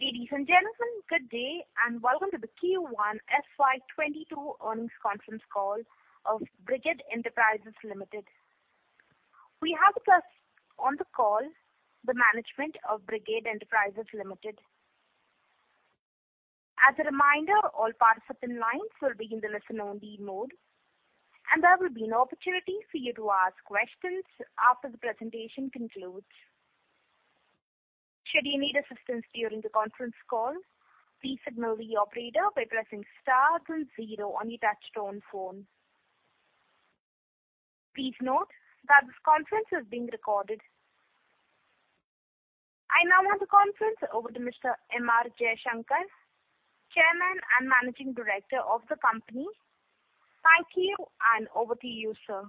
Ladies and gentlemen, good day, and welcome to the Q1 FY 2022 earnings conference call of Brigade Enterprises Limited. We have with us on the call the management of Brigade Enterprises Limited. As a reminder, all participant lines will be in the listen-only mode, and there will be an opportunity for you to ask questions after the presentation concludes. If you need assistance during the conference call, please signal the operator by pressing star then zero on your touch-tone phone. Now, this conference is being recorded. I now hand the conference over to Mr. M. R. Jaishankar, Chairman and Managing Director of the company. Thank you, and over to you, sir.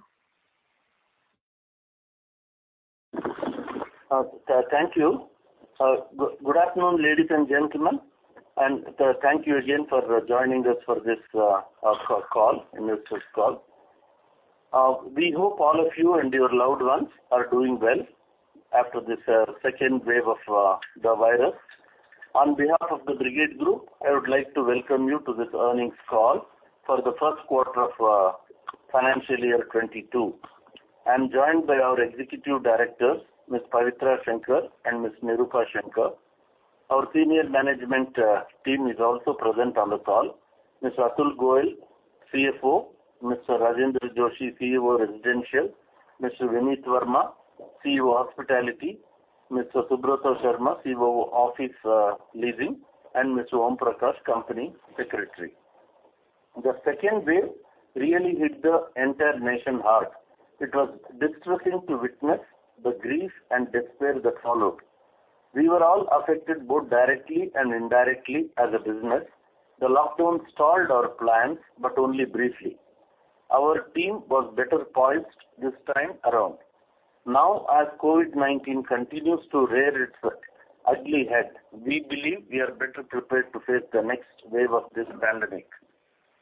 Thank you. Good afternoon, ladies and gentlemen, and thank you again for joining us for this call, earnings results call. We hope all of you and your loved ones are doing well after this second wave of the virus. On behalf of the Brigade Group, I would like to welcome you to this earnings call for the first quarter of financial year 2022. I am joined by our Executive Directors, Ms. Pavitra Shankar and Ms. Nirupa Shankar. Our senior management team is also present on the call. Mr. Atul Goyal, CFO, Mr. Rajendra Joshi, CEO, Residential, Mr. Vineet Verma, CEO, Hospitality, Mr. Subrata Sharma, CEO, Office Living, and Mr. Om Prakash, Company Secretary. The second wave really hit the entire nation hard. It was distressing to witness the grief and despair that followed. We were all affected both directly and indirectly as a business. The lockdown stalled our plans, but only briefly. Our team was better poised this time around. Now, as COVID-19 continues to rear its ugly head, we believe we are better prepared to face the next wave of this pandemic.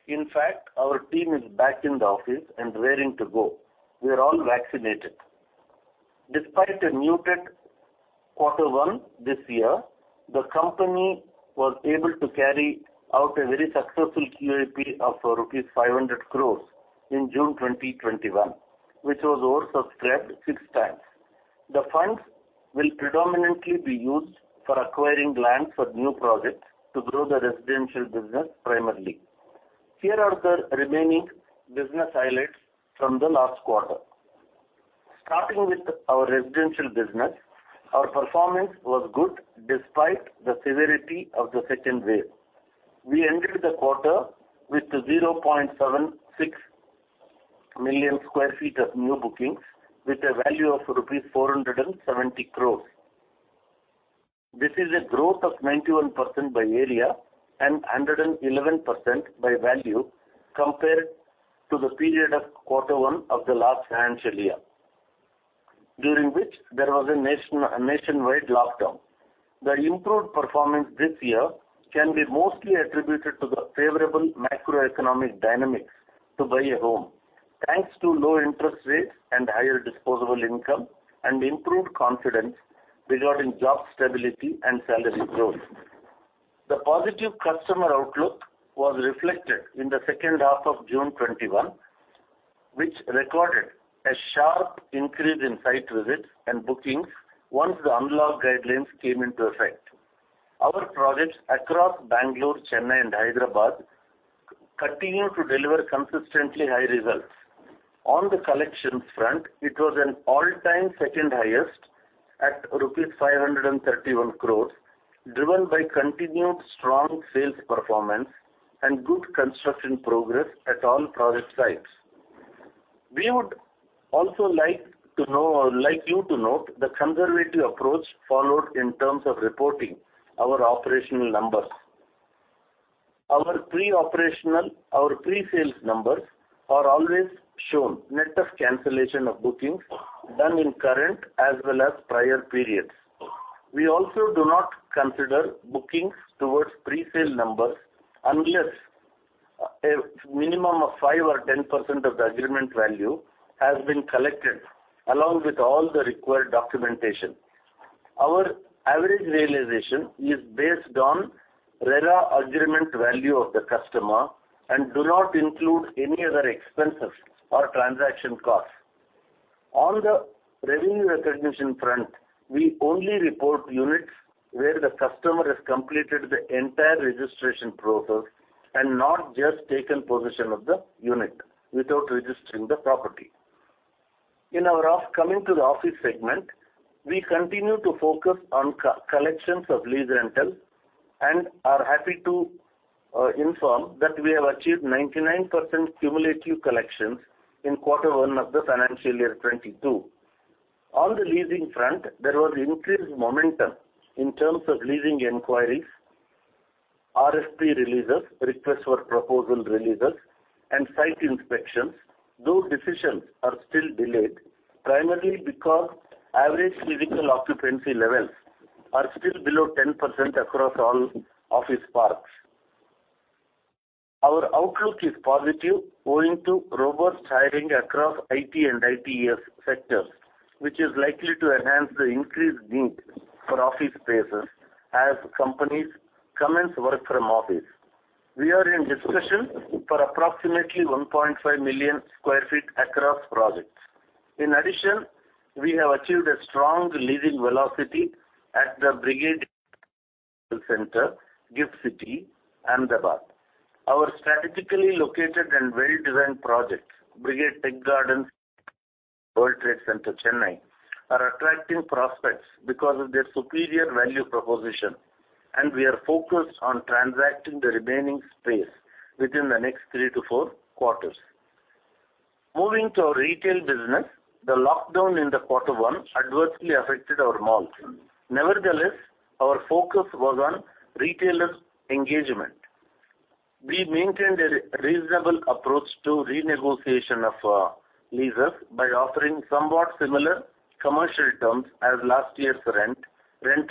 In fact, our team is back in the office and raring to go. We are all vaccinated. Despite a muted quarter one this year, the company was able to carry out a very successful QIP of rupees 500 crore in June 2021, which was oversubscribed 6x. The funds will predominantly be used for acquiring land for new projects to grow the residential business primarily. Here are the remaining business highlights from the last quarter. Starting with our residential business, our performance was good despite the severity of the second wave. We ended the quarter with 0.76 million sq ft of new bookings with a value of rupees 470 crore. This is a growth of 91% by area and 111% by value compared to the period of quarter one of the last financial year, during which there was a nationwide lockdown. The improved performance this year can be mostly attributed to the favorable macroeconomic dynamics to buy a home, thanks to low interest rates and higher disposable income and improved confidence regarding job stability and salary growth. The positive customer outlook was reflected in the second half of June 2021, which recorded a sharp increase in site visits and bookings once the unlock guidelines came into effect. Our projects across Bengaluru, Chennai, and Hyderabad continue to deliver consistently high results. On the collections front, it was an all-time second highest at rupees 531 crore, driven by continued strong sales performance and good construction progress at all project sites. We would also like you to note the conservative approach followed in terms of reporting our operational numbers. Our pre-sales numbers are always shown net of cancellation of bookings done in current as well as prior periods. We also do not consider bookings towards pre-sale numbers unless a minimum of 5% or 10% of the agreement value has been collected along with all the required documentation. Our average realization is based on RERA agreement value of the customer and do not include any other expenses or transaction costs. On the revenue recognition front, we only report units where the customer has completed the entire registration process and not just taken possession of the unit without registering the property. Coming to the office segment, we continue to focus on collections of lease rentals and are happy to inform that we have achieved 99% cumulative collections in quarter one of the financial year 2022. On the leasing front, there was increased momentum in terms of leasing inquiries, RFP releases, request for proposal releases, and site inspections, though decisions are still delayed, primarily because average physical occupancy levels are still below 10% across all office parks. Our outlook is positive owing to robust hiring across IT and ITES sectors, which is likely to enhance the increased need for office spaces as companies commence work from office. We are in discussions for approximately 1.5 million sq ft across projects. In addition, we have achieved a strong leasing velocity at the Brigade Center, GIFT City, Ahmedabad. Our strategically located and well-designed project, Brigade Tech Gardens World Trade Center, Chennai, are attracting prospects because of their superior value proposition. We are focused on transacting the remaining space within the next three to four quarters. Moving to our retail business, the lockdown in the quarter one adversely affected our malls. Nevertheless, our focus was on retailer engagement. We maintained a reasonable approach to renegotiation of leases by offering somewhat similar commercial terms as last year's rent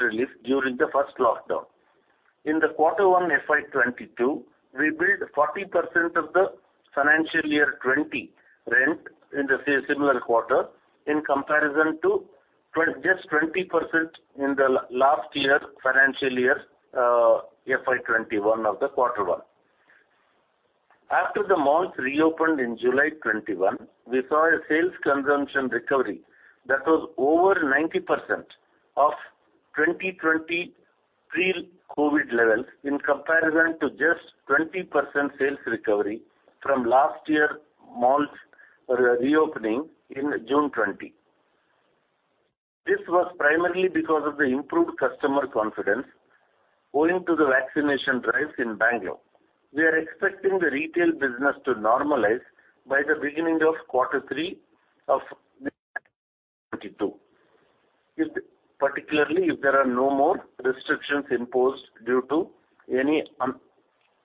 relief during the first lockdown. In the quarter one FY 2022, we billed 40% of the financial year 2020 rent in the similar quarter in comparison to just 20% in the last financial year, FY 2021 of the quarter one. After the malls reopened in July 2021, we saw a sales consumption recovery that was over 90% of 2020 pre-COVID levels in comparison to just 20% sales recovery from last year malls reopening in June 2020. This was primarily because of the improved customer confidence owing to the vaccination drives in Bengaluru. We are expecting the retail business to normalize by the beginning of quarter three of 2022. Particularly, if there are no more restrictions imposed due to any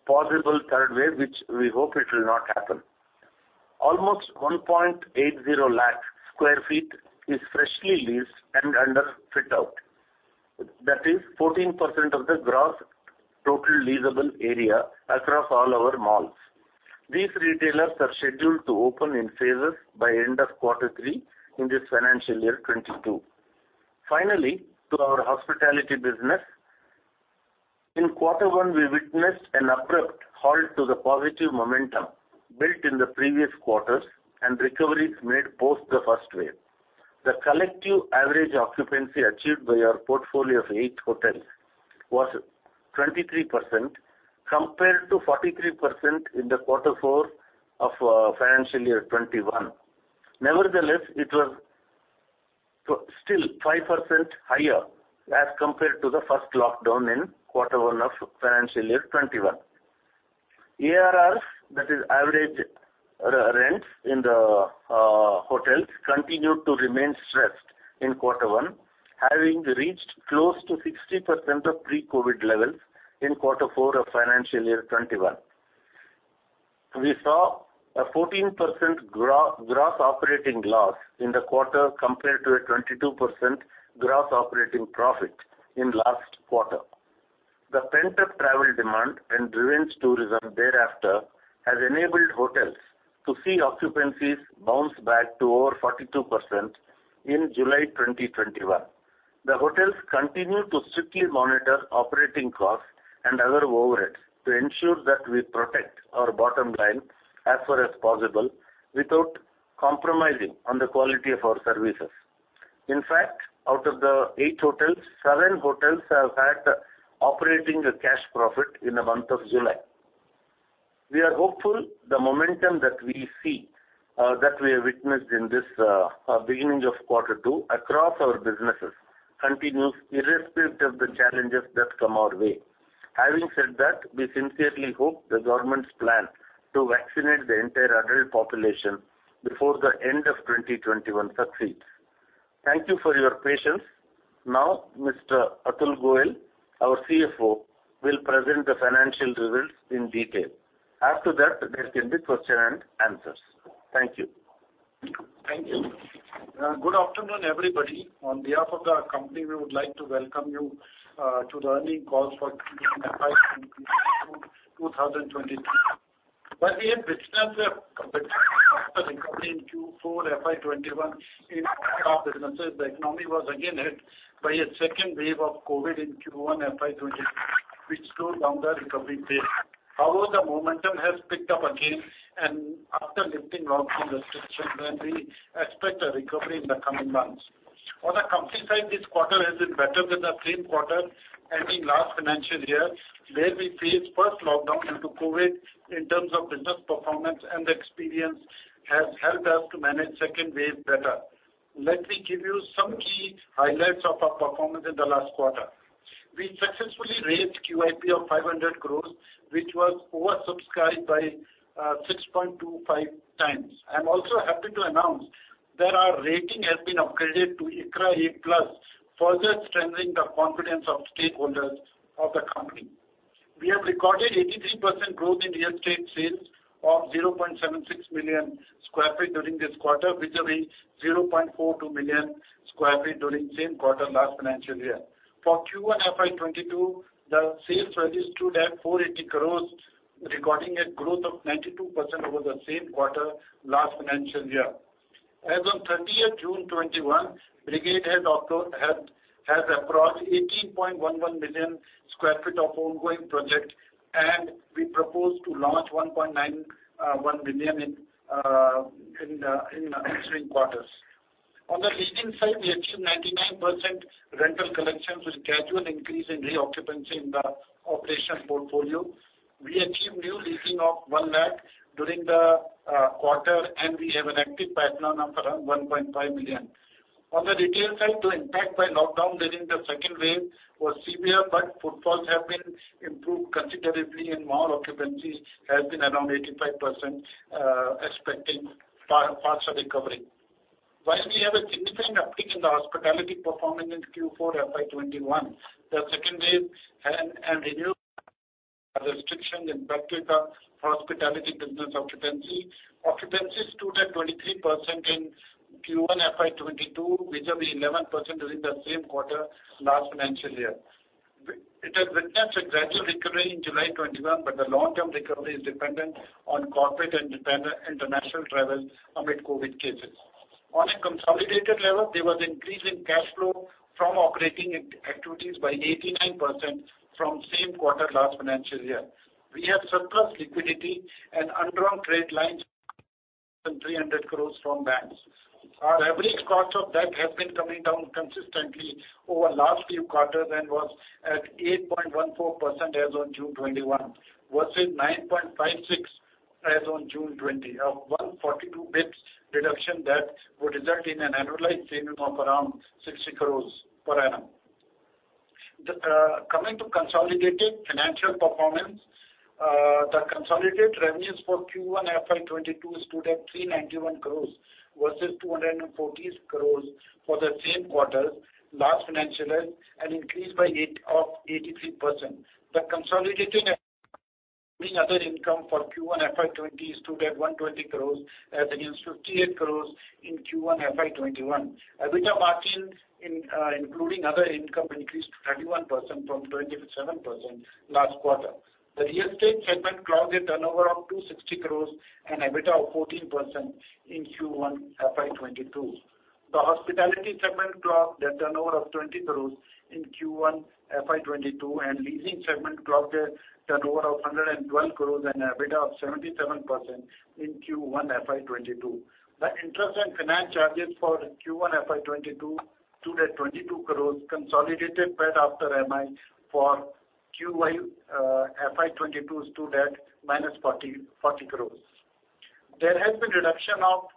possible third wave, which we hope it will not happen. Almost 1.80 lakh sq ft is freshly leased and under fit-out. That is 14% of the gross total leasable area across all our malls. These retailers are scheduled to open in phases by end of quarter three in this financial year 2022. Finally, to our hospitality business. In quarter one, we witnessed an abrupt halt to the positive momentum built in the previous quarters and recoveries made post the first wave. The collective average occupancy achieved by our portfolio of eight hotels was 23%, compared to 43% in the quarter four of financial year 2021. Nevertheless, it was still 5% higher as compared to the first lockdown in quarter one of financial year 2021. ARR, that is average rents in the hotels, continued to remain stressed in quarter one, having reached close to 60% of pre-COVID levels in quarter four of financial year 2021. We saw a 14% gross operating loss in the quarter compared to a 22% gross operating profit in last quarter. The pent-up travel demand and revenge tourism thereafter has enabled hotels to see occupancies bounce back to over 42% in July 2021. The hotels continue to strictly monitor operating costs and other overheads to ensure that we protect our bottom line as far as possible without compromising on the quality of our services. In fact, out of the eight hotels, seven hotels have had operating cash profit in the month of July. We are hopeful the momentum that we have witnessed in this beginning of Q2 across our businesses continues irrespective of the challenges that come our way. Having said that, we sincerely hope the government's plan to vaccinate the entire adult population before the end of 2021 succeeds. Thank you for your patience. Now, Mr. Atul Goyal, our CFO, will present the financial results in detail. After that, there can be question and answers. Thank you. Thank you. Good afternoon, everybody. On behalf of our company, we would like to welcome you to the earnings call for Brigade Enterprises for 2023. While we had witnessed a recovery in Q4 FY 2021 in our businesses, the economy was again hit by a second wave of COVID in Q1 FY 2022, which slowed down the recovery pace. The momentum has picked up again after lifting lockdown restrictions, we expect a recovery in the coming months. On the company side, this quarter has been better than the same quarter ending last financial year, where we faced first lockdown due to COVID in terms of business performance, the experience has helped us to manage second wave better. Let me give you some key highlights of our performance in the last quarter. We successfully raised QIP of 500 crore, which was oversubscribed by 6.25x. I'm also happy to announce that our rating has been upgraded to ICRA A+, further strengthening the confidence of stakeholders of the company. We have recorded 83% growth in real estate sales of 0.76 million sq ft during this quarter vis-à-vis 0.42 million sq ft during the same quarter last financial year. For Q1 FY 2022, the sales registered at 480 crore, recording a growth of 92% over the same quarter last financial year. As on June 30th, 2021, Brigade has approx. 18.11 million sq ft of ongoing project, and we propose to launch 1.91 million sq ft in the ensuing quarters. On the leasing side, we achieved 99% rental collections with gradual increase in re-occupancy in the operational portfolio. We achieved new leasing of 1 lakh sq ft during the quarter, and we have an active pipeline of around 1.5 million sq ft. On the retail side, though impact by lockdown during the second wave was severe, footfalls have been improved considerably and mall occupancy has been around 85%, expecting faster recovery. While we have a significant uptick in the hospitality performance in Q4 FY 2021, the second wave and renewed restrictions impacted the hospitality business occupancy. Occupancy stood at 23% in Q1 FY 2022 vis-à-vis 11% during the same quarter last financial year. It has witnessed a gradual recovery in July 2021, the long-term recovery is dependent on corporate and international travel amid COVID cases. On a consolidated level, there was increase in cash flow from operating activities by 89% from same quarter last financial year. We have surplus liquidity and undrawn credit lines of 300 crore from banks. Our average cost of debt has been coming down consistently over last few quarters and was at 8.14% as on June 2021, versus 9.56% as on June 2020, a 142 bps reduction that would result in an annualized saving of around 60 crore per annum. Coming to consolidated financial performance. The consolidated revenues for Q1 FY 2022 stood at 391 crore versus 214 crore for the same quarter last financial year, an increase by 83%. The consolidated including other income for Q1 FY 2020 stood at 120 crore as against 58 crore in Q1 FY 2021. EBITDA margin including other income increased to 31% from 27% last quarter. The real estate segment clocked a turnover of 260 crore and EBITDA of 14% in Q1 FY 2022. The hospitality segment clocked a turnover of 20 crore in Q1 FY 2022, and leasing segment clocked a turnover of 112 crore and EBITDA of 77% in Q1 FY 2022. The interest and finance charges for Q1 FY 2022 stood at 22 crore. Consolidated PAT after MI for Q1 FY 2022 stood at -40 crore. There has been reduction of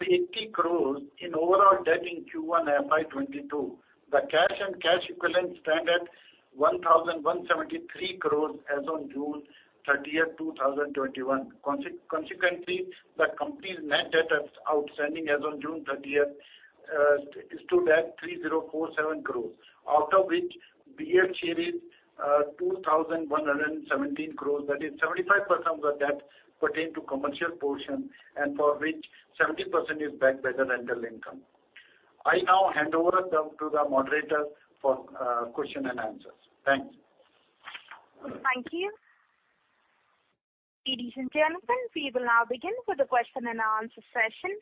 80 crore in overall debt in Q1 FY 2022. The cash and cash equivalents stand at 1,173 crore as on June 30th, 2021. Consequently, the company's net debt outstanding as on June 30th stood at 3,047 crore, out of which BEL shares 2,117 crore, that is 75% of the debt pertain to commercial portion and for which 70% is backed by the rental income. I now hand over to the moderator for question and answers. Thanks. Thank you. Ladies and gentlemen, we will now begin with the question-and-answer session.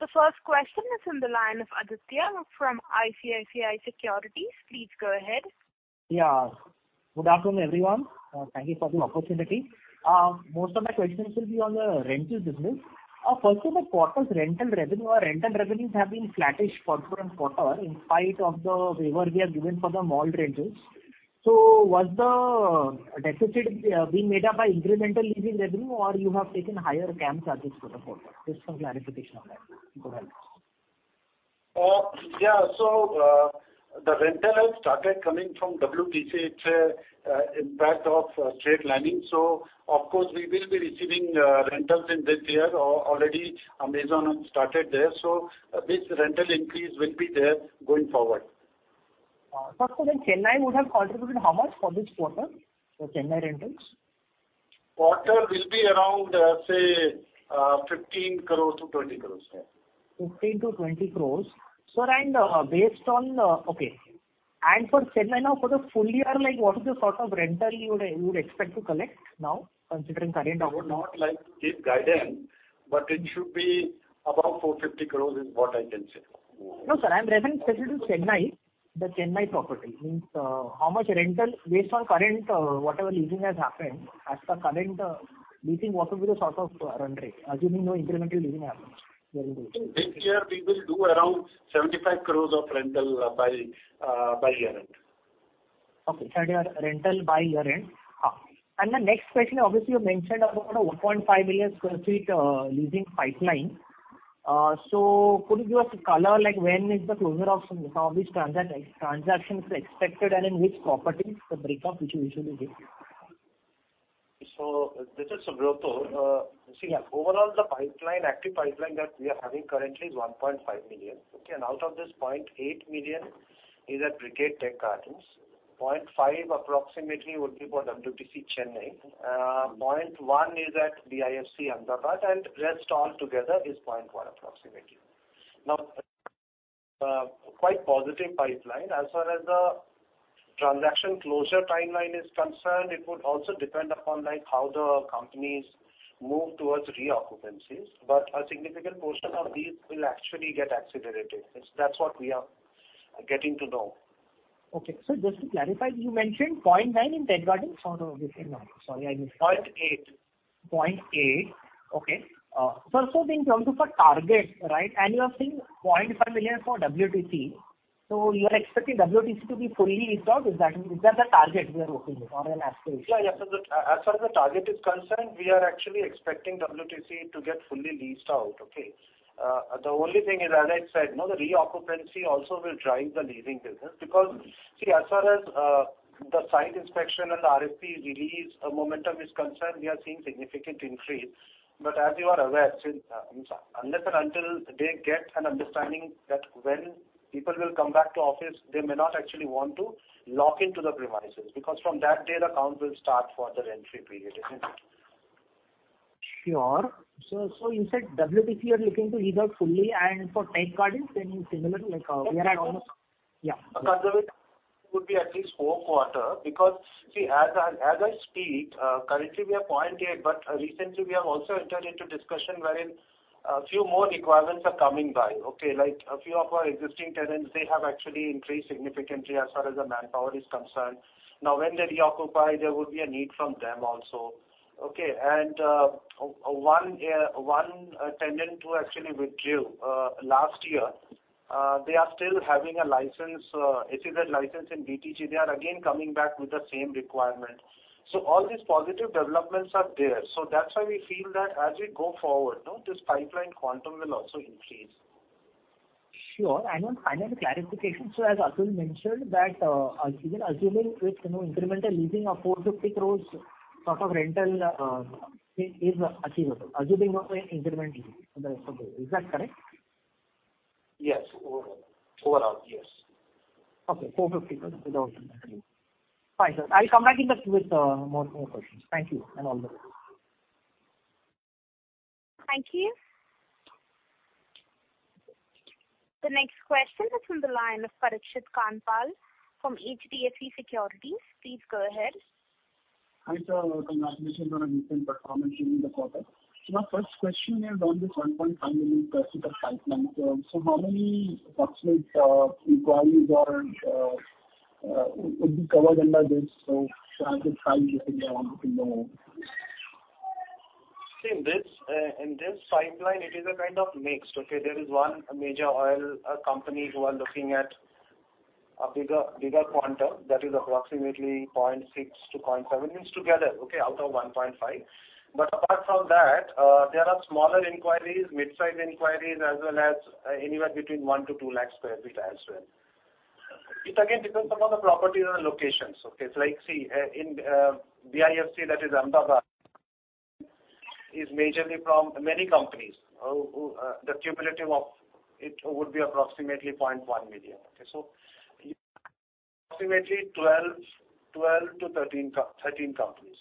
The first question is on the line of Aditya from ICICI Securities. Please go ahead. Good afternoon, everyone. Thank you for the opportunity. Most of my questions will be on the rental business. First of all, quarter's rental revenue, or rental revenues have been flattish quarter-on-quarter in spite of the waiver we have given for the mall rentals. Was the deficit being made up by incremental leasing revenue, or you have taken higher CAM charges for the quarter? Just some clarification on that would help. Yeah. The rental has started coming from WTC, impact of straight lining. Of course, we will be receiving rentals in this year. Already Amazon has started there, so this rental increase will be there going forward. First of all, Chennai would have contributed how much for this quarter? Chennai rentals. Quarter will be around, say 15 crore-20 crore. 15 crore-20 crore. Sir, okay. For Chennai now, for the full year, what is the sort of rental you would expect to collect now? I would not like to give guidance, but it should be above 450 crore is what I can say. No, sir. I'm referring specifically to Chennai, the Chennai property. How much rental based on current, whatever leasing has happened as of current, do you think what would be the sort of run rate, assuming no incremental leasing happens during the year? This year we will do around 75 crore of rental by year-end. Okay, sorry, rental by year-end. The next question, obviously, you mentioned about a 1.5 million sq ft leasing pipeline. Could you give us a color like when is the closure of some of these transactions expected and in which properties, the breakup if you usually give? This is Subrata. See, overall, the active pipeline that we are having currently is 1.5 million. Okay? Out of this, 0.8 million is at Brigade Tech Gardens, 0.5 million approximately would be for WTC Chennai, 0.1 million is at BIFC Ahmedabad, and rest all together is 0.1 million approximately. Quite positive pipeline. As far as the transaction closure timeline is concerned, it would also depend upon how the companies move towards re-occupancies. A significant portion of these will actually get accelerated. That's what we are getting to know. Okay. Just to clarify, you mentioned 0.9 million in Tech Gardens or no, this is not? Sorry, I missed. 0.8 million. Okay. Sir, in terms of a target, right, you are saying 0.5 million for WTC. You are expecting WTC to be fully leased out? Is that the target we are looking at or an aspiration? Yeah, as far as the target is concerned, we are actually expecting WTC to get fully leased out, okay? The only thing is, as I said, the re-occupancy also will drive the leasing business because, see, as far as the site inspection and the RFP release momentum is concerned, we are seeing significant increase. As you are aware, unless and until they get an understanding that when people will come back to office, they may not actually want to lock into the premises, because from that day, the count will start for the rent-free period, isn't it? Sure. You said WTC you are looking to lease out fully and for Tech Gardens, any similar like we are at almost? Yeah. Conservative would be at least four quarter because, see, as I speak, currently we are 0.8 million, but recently we have also entered into discussion wherein a few more requirements are coming by, okay. Like a few of our existing tenants, they have actually increased significantly as far as the manpower is concerned. Now, when they reoccupy, there will be a need from them also. Okay. One tenant who actually withdrew last year, they are still having a license, SEZ license in BTG. They are again coming back with the same requirement. All these positive developments are there. That's why we feel that as we go forward, this pipeline quantum will also increase. Sure. One final clarification. As Atul mentioned that assuming with incremental leasing of 450 crore sort of rental is achievable, assuming incremental leasing for those. Is that correct? Yes, overall. Overall, yes. Okay, 450 crore. Fine, sir. I'll come back with more questions. Thank you and all the best. Thank you. The next question is on the line of Parikshit Kandpal from HDFC Securities. Please go ahead. Hi, sir. Congratulations on a recent performance during the quarter. My first question is on this 1.5 million sq ft of pipeline. How many approximate inquiries would be covered under this? As a size, basically I wanted to know. See, in this pipeline, it is a kind of mixed. Okay. There is one major oil company who are looking at a bigger quantum that is approximately 0.6 to 0.7, means together, okay, out of 1.5. Apart from that, there are smaller inquiries, midsize inquiries, as well as anywhere between 1-2 lakh sq ft as well. It again depends upon the properties and the locations. Okay. Like, see, in BIFC, that is Ahmedabad, is majorly from many companies. The cumulative of it would be approximately 0.1 million. Okay. Approximately 12-13 companies.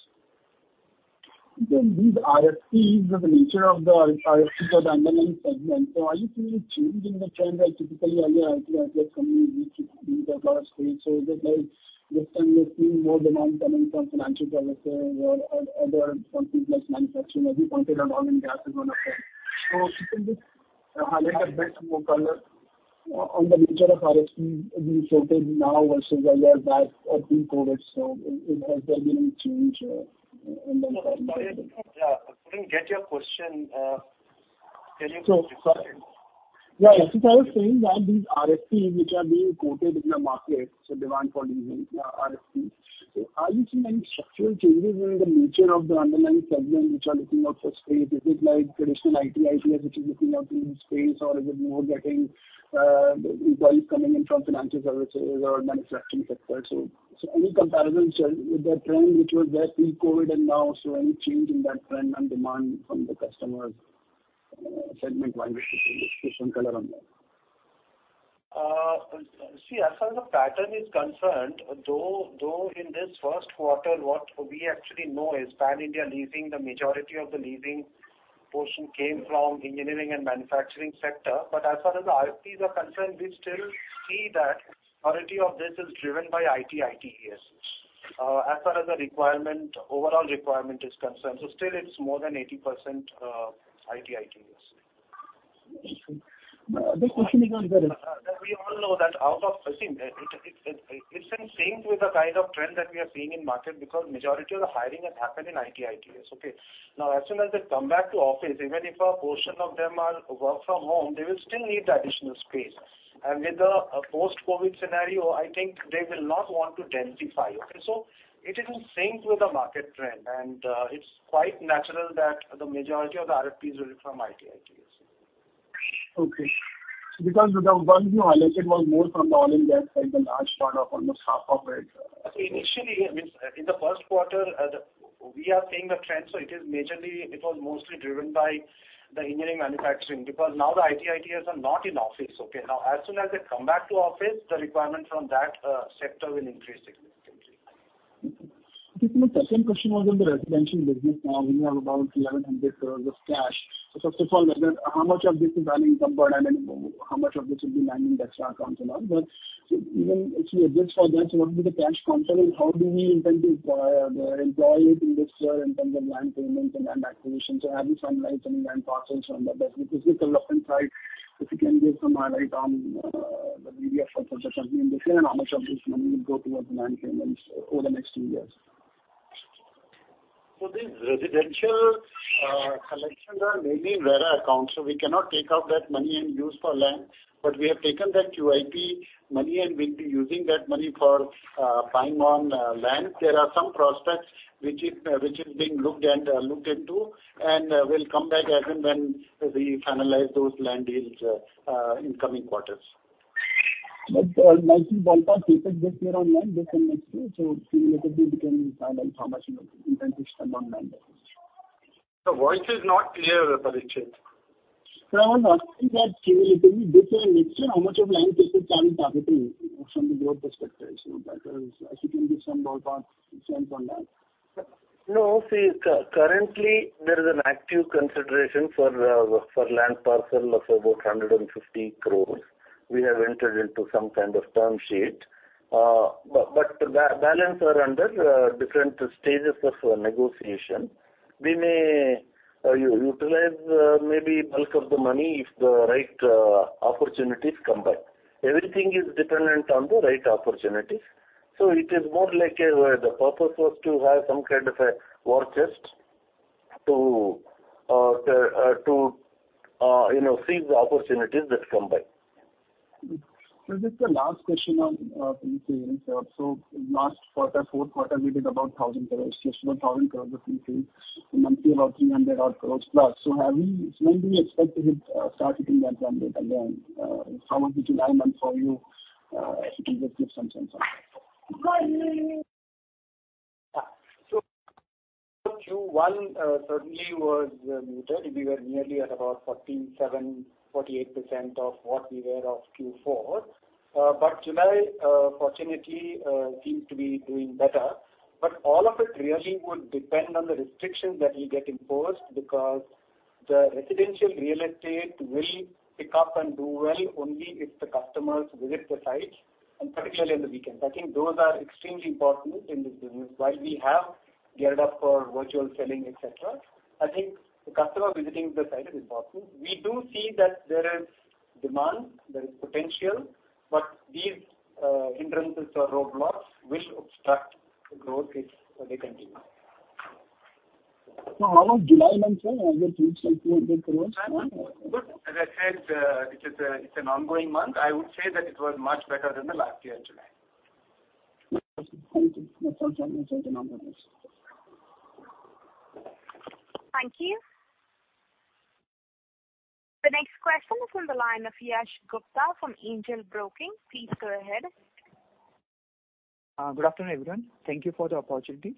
These RFPs or the nature of the RFPs or the underlying segment. Are you seeing a change in the trend like typically earlier IT/ITeS companies used to be the first space? Is it like this time we are seeing more demand coming from financial services or other something like manufacturing or you consider oil and gas as one of them. If you can just highlight a bit more color on the nature of RFPs being floated now versus where we are back at pre-COVID. Has there been any change in the. Sorry, I couldn't get your question. Can you please repeat it? Yeah, as I was saying that these RFPs which are being quoted in the market, demand for these RFPs. Are you seeing any structural changes in the nature of the underlying segment which are looking out for space? Is it like traditional IT/ITeS which is looking out for space, or is it more getting inquiries coming in from financial services or manufacturing sector? Any comparison with the trend, which was there pre-COVID and now, any change in that trend and demand from the customer segment-wise if you can just give some color on that? As far as the pattern is concerned, though in this first quarter, what we actually know is pan-India leasing, the majority of the leasing portion came from engineering and manufacturing sector. As far as the RFPs are concerned, we still see that majority of this is driven by IT/ITeS. As far as the overall requirement is concerned, still it's more than 80% IT/ITeS. The question is on where is. We all know that it's in sync with the kind of trend that we are seeing in market because majority of the hiring has happened in IT/ITeS. As soon as they come back to office, even if a portion of them are work from home, they will still need the additional space. With the post-COVID scenario, I think they will not want to densify. It is in sync with the market trend, and it's quite natural that the majority of the RFPs will be from IT/ITeS. Okay. The ones you allocated was more from the all India side, the large part of almost half of it. Initially, in the first quarter, we are seeing the trend. It was mostly driven by the engineering manufacturing, because the IT/ITeS are not in office. As soon as they come back to office, the requirement from that sector will increase significantly. Okay. Sir, my second question was on the residential business. You have about 1,100 just cash. First of all, how much of this is earning some return and how much of this will be lying in escrow accounts and all? Even if we adjust for that, what will be the cash component? How do we intend to employ it in this year in terms of land payment and land acquisition? Have you finalized any land parcels from the business development side? If you can give some highlight on the pipeline of the company in this area, and how much of this money will go towards land payments over the next two years. These residential collections are mainly in RERA accounts. We cannot take out that money and use for land. We have taken that QIP money, and we'll be using that money for buying on land. There are some prospects which are being looked into, and we'll come back again when we finalize those land deals in coming quarters. Nicely ballpark, this year on land, this and next year. Cumulatively, we can finalize how much you intend to spend on land. Your voice is not clear, Parikshit. I was asking that cumulatively, this and next year, how much of land purchase are we targeting from the growth perspective? If you can give some ballpark sense on that. No. See, currently there is an active consideration for land parcel of about 150 crore. We have entered into some kind of term sheet. The balance are under different stages of negotiation. We may utilize maybe bulk of the money if the right opportunities come by. Everything is dependent on the right opportunities. It is more like the purpose was to have some kind of a war chest to seize the opportunities that come by. Sir, just a last question on pre-sales. Last quarter, fourth quarter, we did about 1,000 crore. Just about 1,000 crore of pre-sales, monthly about 300 odd crore+. When do we expect to hit, start hitting that run rate again? How was the July month for you? If you can just give some sense on that. Q1 certainly was muted. We were nearly at about 47%-48% of what we were of Q4. July fortunately seems to be doing better. All of it really would depend on the restrictions that will get imposed because the residential real estate will pick up and do well only if the customers visit the site, and particularly in the weekends. I think those are extremely important in this business. While we have geared up for virtual selling, et cetera, I think the customer visiting the site is important. We do see that there is demand, there is potential, but these hindrances or roadblocks will obstruct growth if they continue. How was July month? Have you reached some few big crores? July month was good. As I said, it's an ongoing month. I would say that it was much better than the last year July. Thank you. That's all, sir. Thank you very much. Thank you. The next question is on the line of Yash Gupta from Angel Broking. Please go ahead. Good afternoon, everyone. Thank you for the opportunity.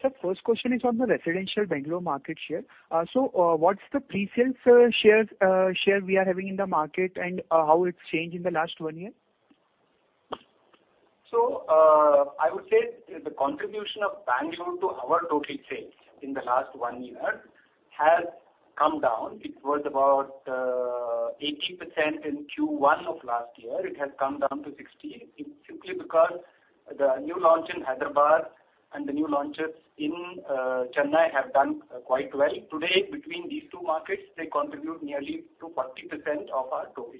Sir, first question is on the residential Bengaluru market share. What's the pre-sales share we are having in the market, and how it's changed in the last one year? I would say the contribution of Bengaluru to our total sales in the last one year has come down. It was about 80% in Q1 of last year. It has come down to 60%. Simply because the new launch in Hyderabad and the new launches in Chennai have done quite well. Today, between these two markets, they contribute nearly to 40% of our total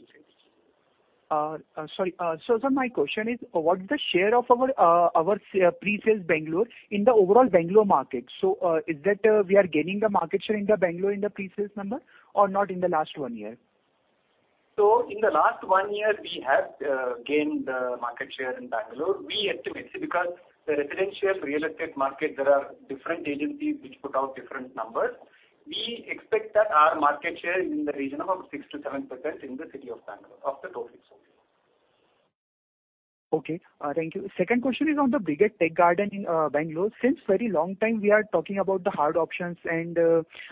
sales. Sorry. Sir, my question is, what's the share of our pre-sales Bengaluru in the overall Bengaluru market? Is that we are gaining the market share in the Bengaluru in the pre-sales number or not in the last one year? In the last one year, we have gained market share in Bengaluru. See, because the residential real estate market, there are different agencies which put out different numbers. We expect that our market share is in the region of about 6%-7% in the city of Bengaluru of the total sales. Okay. Thank you. Second question is on the Brigade Tech Gardens in Bengaluru. Since very long time, we are talking about the hard options and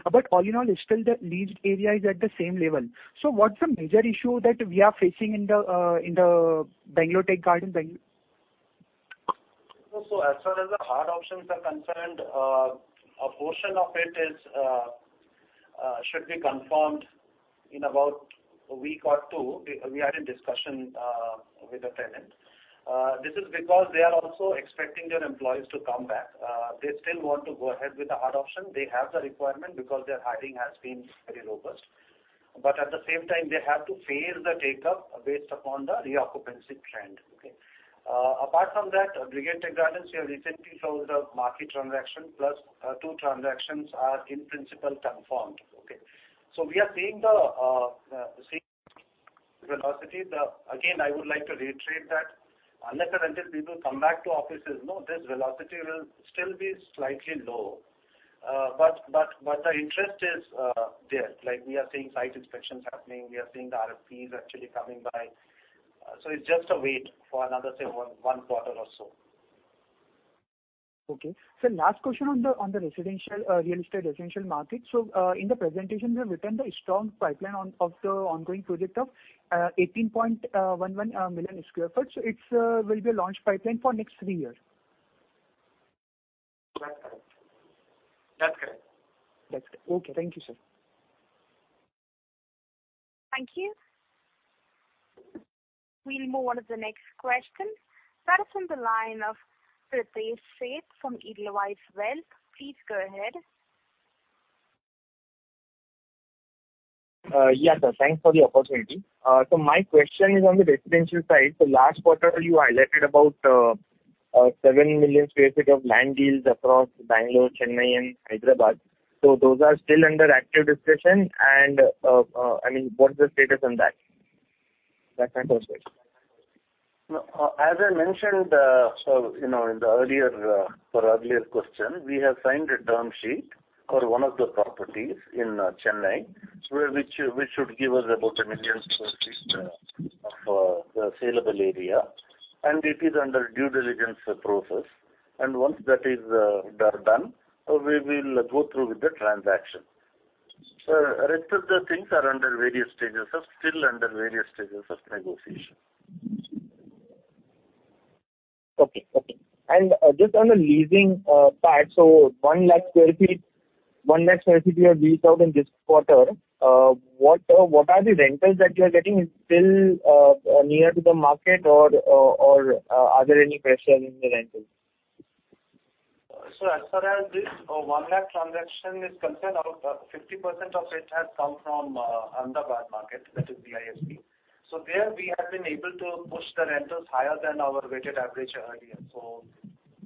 about all in all, still the leased area is at the same level. What's the major issue that we are facing in the Brigade Tech Gardens? As far as the hard options are concerned, a portion of it should be confirmed in about a week or two. We are in discussion with the tenant. This is because they are also expecting their employees to come back. They still want to go ahead with the adoption. They have the requirement because their hiring has been very robust. At the same time, they have to phase the take-up based upon the re-occupancy trend. Apart from that, Brigade Tech Gardens, we have recently closed a market transaction, plus two transactions are in principle confirmed. Again, I would like to reiterate that unless and until people come back to offices, this velocity will still be slightly low. The interest is there. We are seeing site inspections happening, we are seeing the RFPs actually coming by. It's just a wait for another, say, one quarter or so. Okay. Sir, last question on the real estate residential market. In the presentation, we have written the strong pipeline of the ongoing project of 18.11 million sq ft. It will be a launch pipeline for next three years? That's correct. That's correct. Okay. Thank you, sir. Thank you. We'll move on to the next question. That is on the line of Pritesh Sheth from Edelweiss Wealth. Please go ahead. Yes, sir. Thanks for the opportunity. My question is on the residential side. Last quarter, you highlighted about 7 million sq ft of land deals across Bengaluru, Chennai, and Hyderabad. Those are still under active discussion, and what's the status on that? As I mentioned for the earlier question, we have signed a term sheet for one of the properties in Chennai, which should give us about 1 million sq ft of the saleable area. It is under due diligence process. Once that is done, we will go through with the transaction. Rest of the things are still under various stages of negotiation. Okay. Just on the leasing part, 100,000 sq ft were leased out in this quarter. What are the rentals that you're getting? Still near to the market or are there any pressure in the rentals? As far as these 100,000 transactions is concerned, about 50% of it has come from Ahmedabad market, that is BIFC. There, we have been able to push the rentals higher than our weighted average earlier.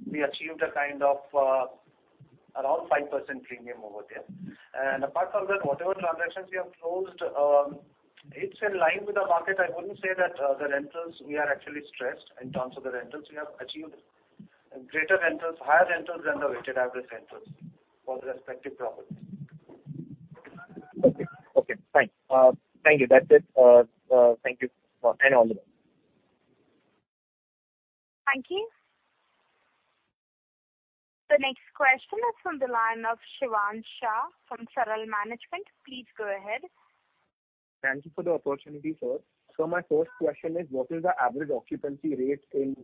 We achieved a kind of around 5% premium over there. Apart from that, whatever transactions we have closed, it's in line with the market. I wouldn't say that the rentals, we are actually stressed in terms of the rentals. We have achieved greater rentals, higher rentals than the weighted average rentals for the respective properties. Okay, fine. Thank you. That's it. Thank you. All the best. Thank you. The next question is from the line of Shivansh Shah from Saral Management. Please go ahead. Thank you for the opportunity, sir. My first question is, what is the average occupancy rate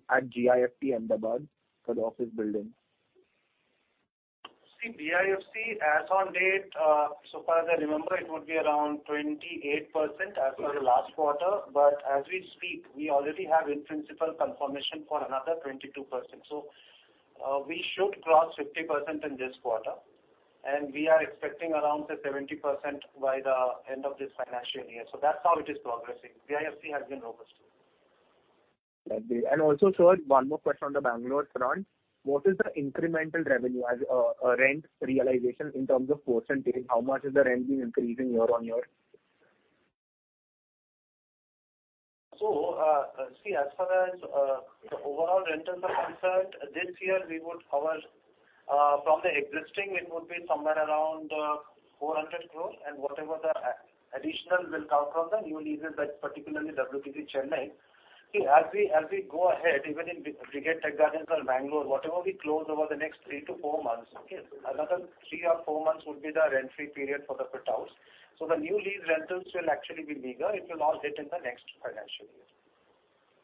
at GIFT City Ahmedabad for the office building? See, BIFC, as on date, so far as I remember, it would be around 28% as of the last quarter. As we speak, we already have in-principle confirmation for another 22%. We should cross 50% in this quarter, and we are expecting around, say, 70% by the end of this financial year. That's how it is progressing. BIFC has been robust. Also, sir, one more question on the Bengaluru front. What is the incremental revenue as rent realization in terms of percentage? How much is the rent being increased in year-over-year? As far as the overall rentals are concerned, this year, from the existing, it would be somewhere around 400 crore, and whatever the additional will come from the new leases, like particularly WTC Chennai. As we go ahead, even in Brigade Tech Gardens or Bengaluru, whatever we close over the next three to four months, another three or four months would be the rent-free period for the fit outs. The new lease rentals will actually be meager. It will all hit in the next financial year.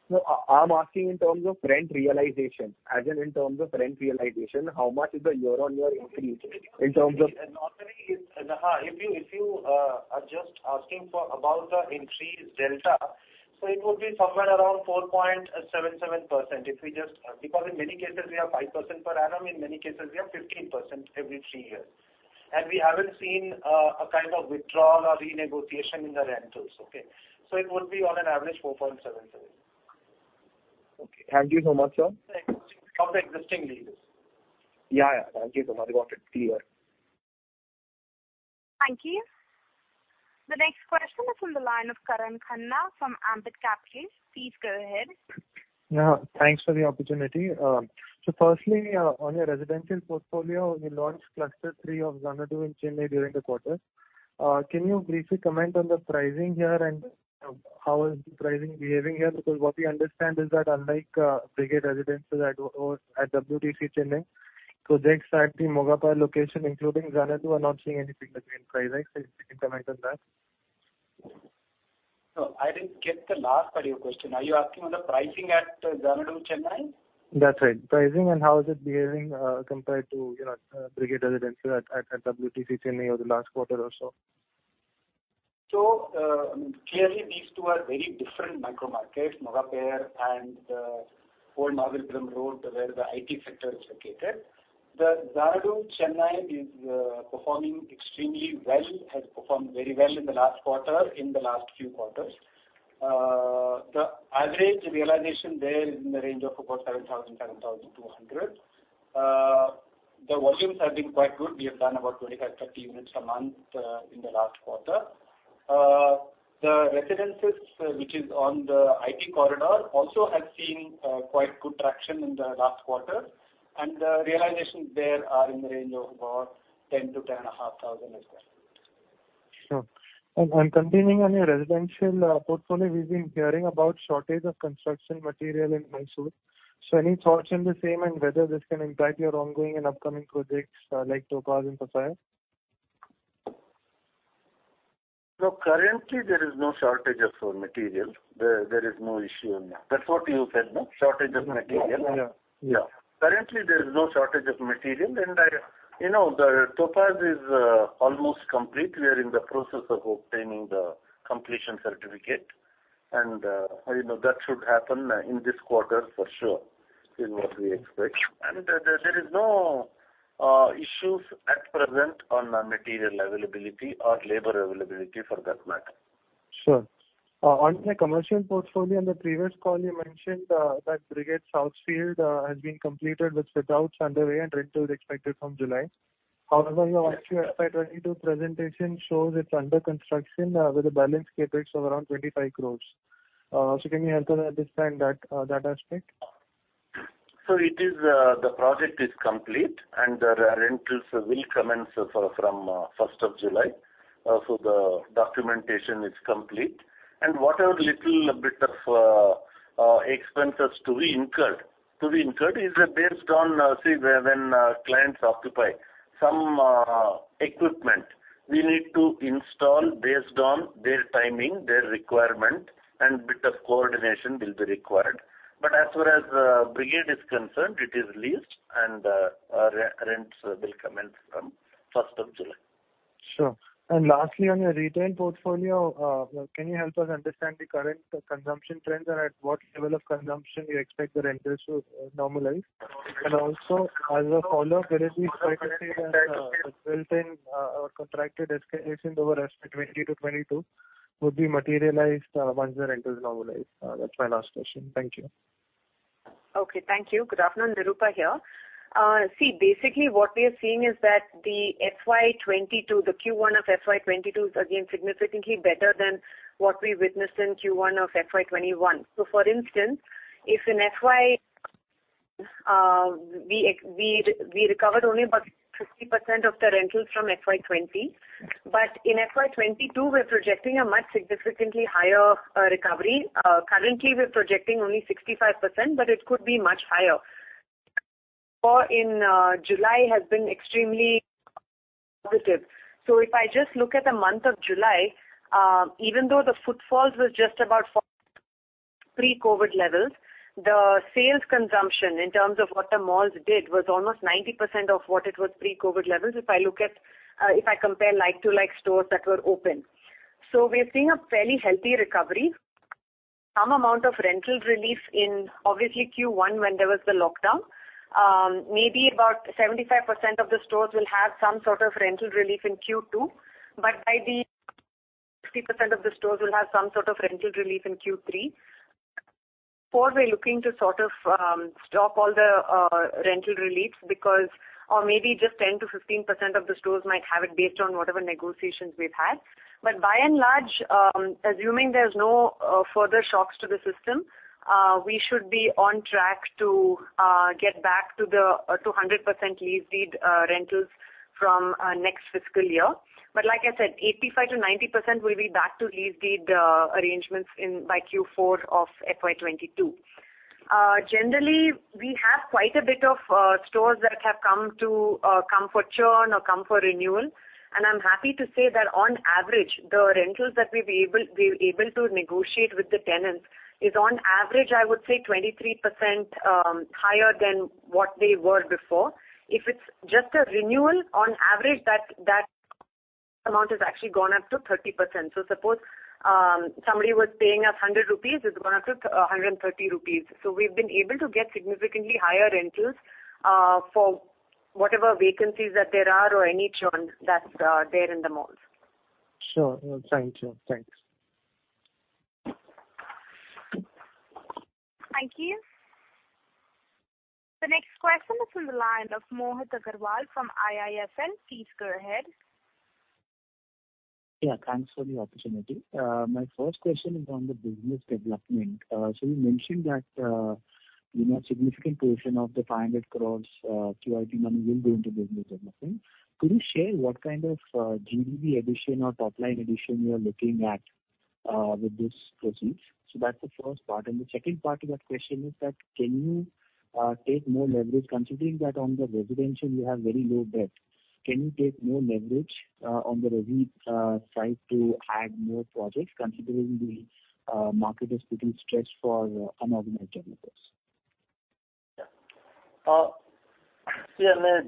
No, I'm asking in terms of rent realization, as in in terms of rent realization, how much is the year-on-year increase in terms of. If you are just asking for about the increase delta, so it would be somewhere around 4.77%. In many cases, we have 5% per annum, in many cases, we have 15% every three years. We haven't seen a kind of withdrawal or renegotiation in the rentals. It would be on an average 4.77%. Okay. Thank you so much, sir. From the existing leases. Yeah. Thank you so much. I got it clear. Thank you. The next question is from the line of Karan Khanna from Ambit Capital. Please go ahead. Firstly, on your residential portfolio, you launched Cluster III of Xanadu in Chennai during the quarter. Can you briefly comment on the pricing here and how is the pricing behaving here? What we understand is that unlike Brigade Residences at WTC Chennai, projects at the Mogappair location, including Xanadu, are not seeing anything between price hikes. If you can comment on that. I didn't get the last part of your question. Are you asking on the pricing at Xanadu, Chennai? That's right. Pricing and how is it behaving compared to Brigade Residences at WTC Chennai over the last quarter or so? Clearly these two are very different micro markets, Mogappair and the Old Mahabalipuram Road, where the IT sector is located. The Brigade Xanadu is performing extremely well, has performed very well in the last quarter, in the last few quarters. The average realization there is in the range of about 7,000-7,200. The volumes have been quite good. We have done about 25-30 units a month in the last quarter. The residences, which is on the IT corridor, also has seen quite good traction in the last quarter, and the realizations there are in the range of about 10,000-10,500 as well. Sure. Continuing on your residential portfolio, we've been hearing about shortage of construction material in Mysuru. Any thoughts on the same and whether this can impact your ongoing and upcoming projects, like Topaz? No, currently there is no shortage of raw material. There is no issue in that. That's what you said, no? Shortage of material. Yeah. Currently, there is no shortage of material. The Topaz is almost complete. We are in the process of obtaining the completion certificate, and that should happen in this quarter for sure, is what we expect. There is no issues at present on material availability or labor availability for that matter. Sure. On the commercial portfolio, on the previous call you mentioned that Brigade Southfield has been completed with fit-outs underway and rentals expected from July. However, your FY 2022 presentation shows it's under construction with a balance CapEx of around 25 crore. Can you help us understand that aspect? The project is complete, and the rentals will commence from July 1st. The documentation is complete. Whatever little bit of expenses to be incurred is based on, see, when clients occupy some equipment, we need to install based on their timing, their requirement, and bit of coordination will be required. As far as Brigade is concerned, it is leased and rents will commence from July 1st. Sure. Lastly, on your retail portfolio, can you help us understand the current consumption trends and at what level of consumption you expect the rentals to normalize? Also, as a follow-up, there is this quite a thing as a built-in or contracted escalation over FY 2020-FY 2022 would be materialized once the rentals normalize. That's my last question. Thank you. Okay, thank you. Good afternoon, Nirupa here. Basically, what we are seeing is that the FY 2022, the Q1 of FY 2022 is again significantly better than what we witnessed in Q1 of FY 2021. For instance, if in FY we recovered only about 50% of the rentals from FY 2020, in FY 2022, we are projecting a much significantly higher recovery. Currently, we are projecting only 65%, it could be much higher. In July has been extremely positive. If I just look at the month of July, even though the footfalls was just about pre-COVID levels, the sales consumption in terms of what the malls did was almost 90% of what it was pre-COVID levels, if I compare like-to-like stores that were open. We are seeing a fairly healthy recovery. Some amount of rental relief in obviously Q1 when there was the lockdown. Maybe about 75% of the stores will have some sort of rental relief in Q2. By the way, 60% of the stores will have some sort of rental relief in Q3. Four, we're looking to sort of stop all the rental reliefs because or maybe just 10%-15% of the stores might have it based on whatever negotiations we've had. By and large, assuming there's no further shocks to the system, we should be on track to get back to 100% lease deed rentals from next fiscal year. Like I said, 85%-90% will be back to lease deed arrangements by Q4 of FY 2022. Generally, we have quite a bit of stores that have come for churn or come for renewal, and I'm happy to say that on average, the rentals that we're able to negotiate with the tenants is on average, I would say 23% higher than what they were before. If it's just a renewal, on average that amount has actually gone up to 30%. Suppose somebody was paying us 100 rupees is going to 130 rupees. We've been able to get significantly higher rentals for whatever vacancies that there are or any churn that's there in the malls. Sure. Thank you. Thanks. Thank you. The next question is on the line of Mohit Agrawal from IIFL. Please go ahead. Yeah, thanks for the opportunity. My first question is on the business development. You mentioned that significant portion of the 500 crore QIP money will go into business development. Could you share what kind of GDV addition or top-line addition you are looking at with this proceeds? That's the first part, and the second part of that question is that can you take more leverage considering that on the residential you have very low debt? Can you take more leverage on the resi side to add more projects considering the market is little stressed for unorganized developers? On a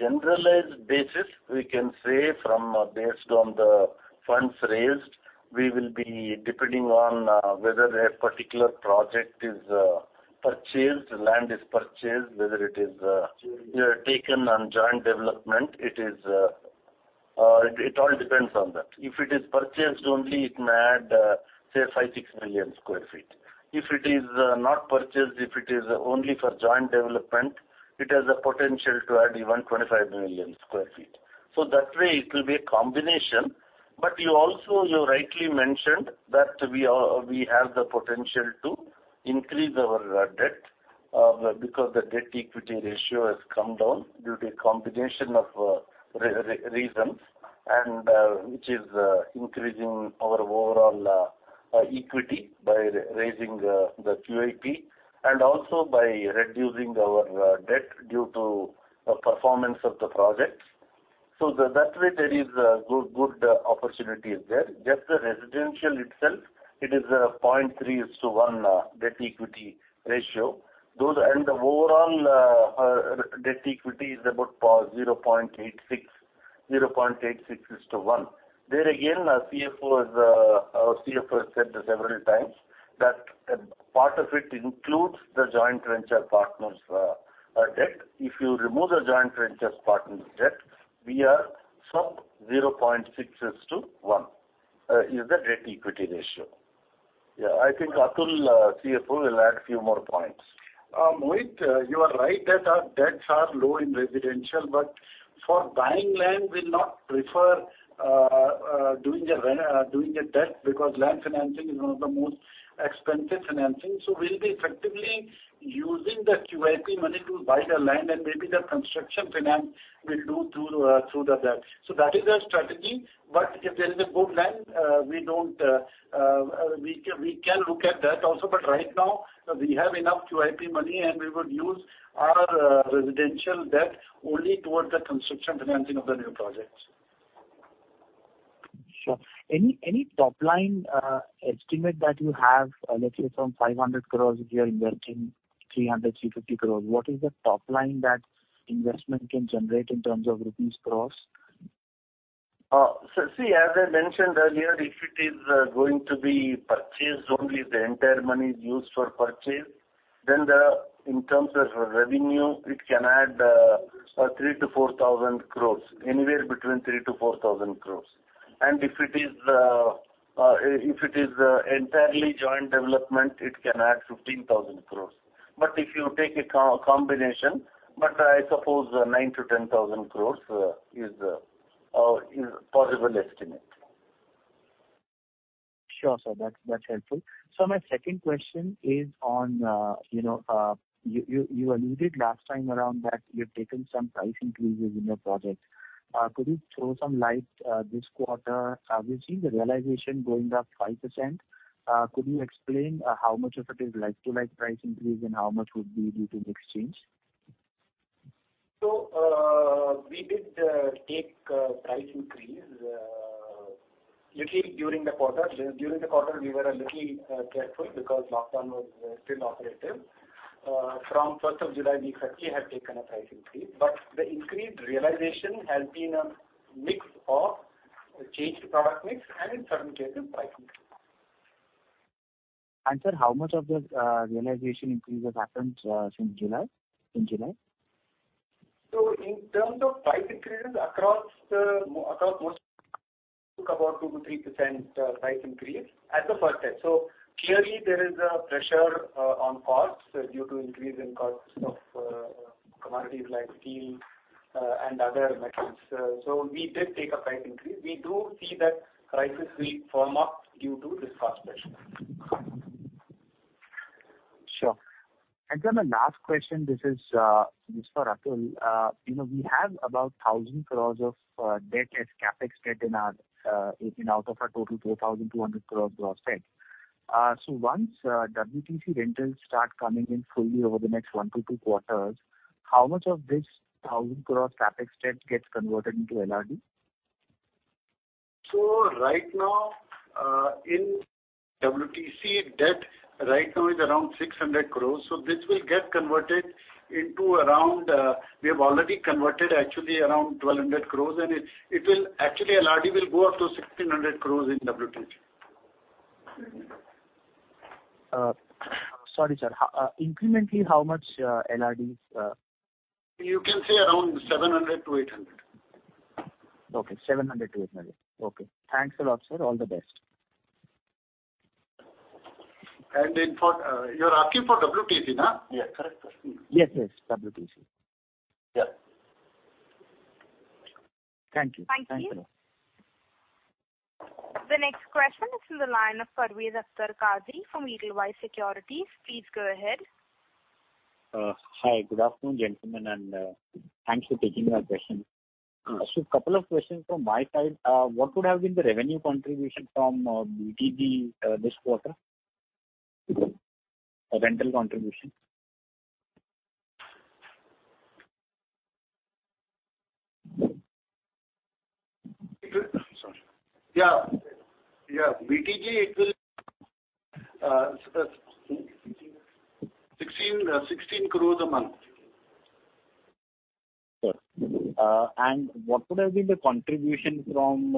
generalized basis, we can say from based on the funds raised, we will be depending on whether a particular project is purchased, land is purchased, whether it is taken on joint development. It all depends on that. If it is purchased only, it may add, say 5, 6 million sq ft. If it is not purchased, if it is only for joint development, it has a potential to add even 25 million sq ft. That way it will be a combination. You also rightly mentioned that we have the potential to increase our debt, because the debt equity ratio has come down due to a combination of reasons, and which is increasing our overall equity by raising the QIP and also by reducing our debt due to performance of the projects. That way, there is a good opportunity there. Just the residential itself, it is a 0.3:1 debt equity ratio. The overall debt equity is about 0.86:1. There again, our CFO has said this several times, that part of it includes the joint venture partner's debt. If you remove the joint venture partner's debt, we are sub 0.6:1, is the debt equity ratio. I think Atul, CFO, will add few more points. Mohit, you are right that our debts are low in residential. For buying land, we'll not prefer doing a debt because land financing is one of the most expensive financing. We'll be effectively using the QIP money to buy the land, and maybe the construction finance we'll do through the debt. That is our strategy. If there is a good land, we can look at that also. Right now, we have enough QIP money, and we would use our residential debt only towards the construction financing of the new projects. Sure. Any top-line estimate that you have, let's say from 500 crore, if you are investing 300 crore-350 crore, what is the top line that investment can generate in terms of rupees crore? See, as I mentioned earlier, if it is going to be purchased, only if the entire money is used for purchase, then in terms of revenue, it can add 3,000 crore-4,000 crore, anywhere between 3,000 crore and INR 4,000 crore. If it is entirely joint development, it can add 15,000 crore. If you take a combination, but I suppose 9,000 crore-10,000 crore is a possible estimate. Sure, sir. That is helpful. My second question is on, you alluded last time around that you have taken some price increases in your project. Could you throw some light this quarter? Obviously, the realization going up 5%. Could you explain how much of it is like-to-like price increase and how much would be due to the exchange? We did take a price increase, little during the quarter. During the quarter, we were a little careful because lockdown was still operative. From July 1st, we certainly have taken a price increase, but the increased realization has been a mix of changed product mix and in certain cases, price increase. Sir, how much of the realization increase has happened in July? In terms of price increases across most took about 2% to 3% price increase as of July 1st. Clearly, there is a pressure on costs due to increase in costs of commodities like steel and other metals. We did take a price increase. We do see that prices will firm up due to this cost pressure. Sure. Sir, my last question, this is for Atul. We have about 1,000 crore of debt as CapEx debt out of our total 4,200 crore gross debt. Once WTC rentals start coming in fully over the next one to two quarters, how much of this 1,000 crore CapEx debt gets converted into LRD? Right now, in WTC, debt right now is around 600 crore. We have already converted actually around 1,200 crore, and actually, LRD will go up to 1,600 crore in WTC. Sorry, sir. Incrementally, how much LRDs? You can say around 700-800. Okay. 700-800. Okay. Thanks a lot, sir. All the best. You're asking for WTC? Yes, correct. Yes, yes, WTC. Yeah. Thank you. Thank you. The next question is from the line of Parvez Akhtar Qazi from Edelweiss Securities. Please go ahead. Hi. Good afternoon, gentlemen, and thanks for taking our question. Couple of questions from my side. What would have been the revenue contribution from WTC this quarter? Rental contribution. Yeah. WTC, it will be INR 16 crore a month. Sure. What would have been the contribution from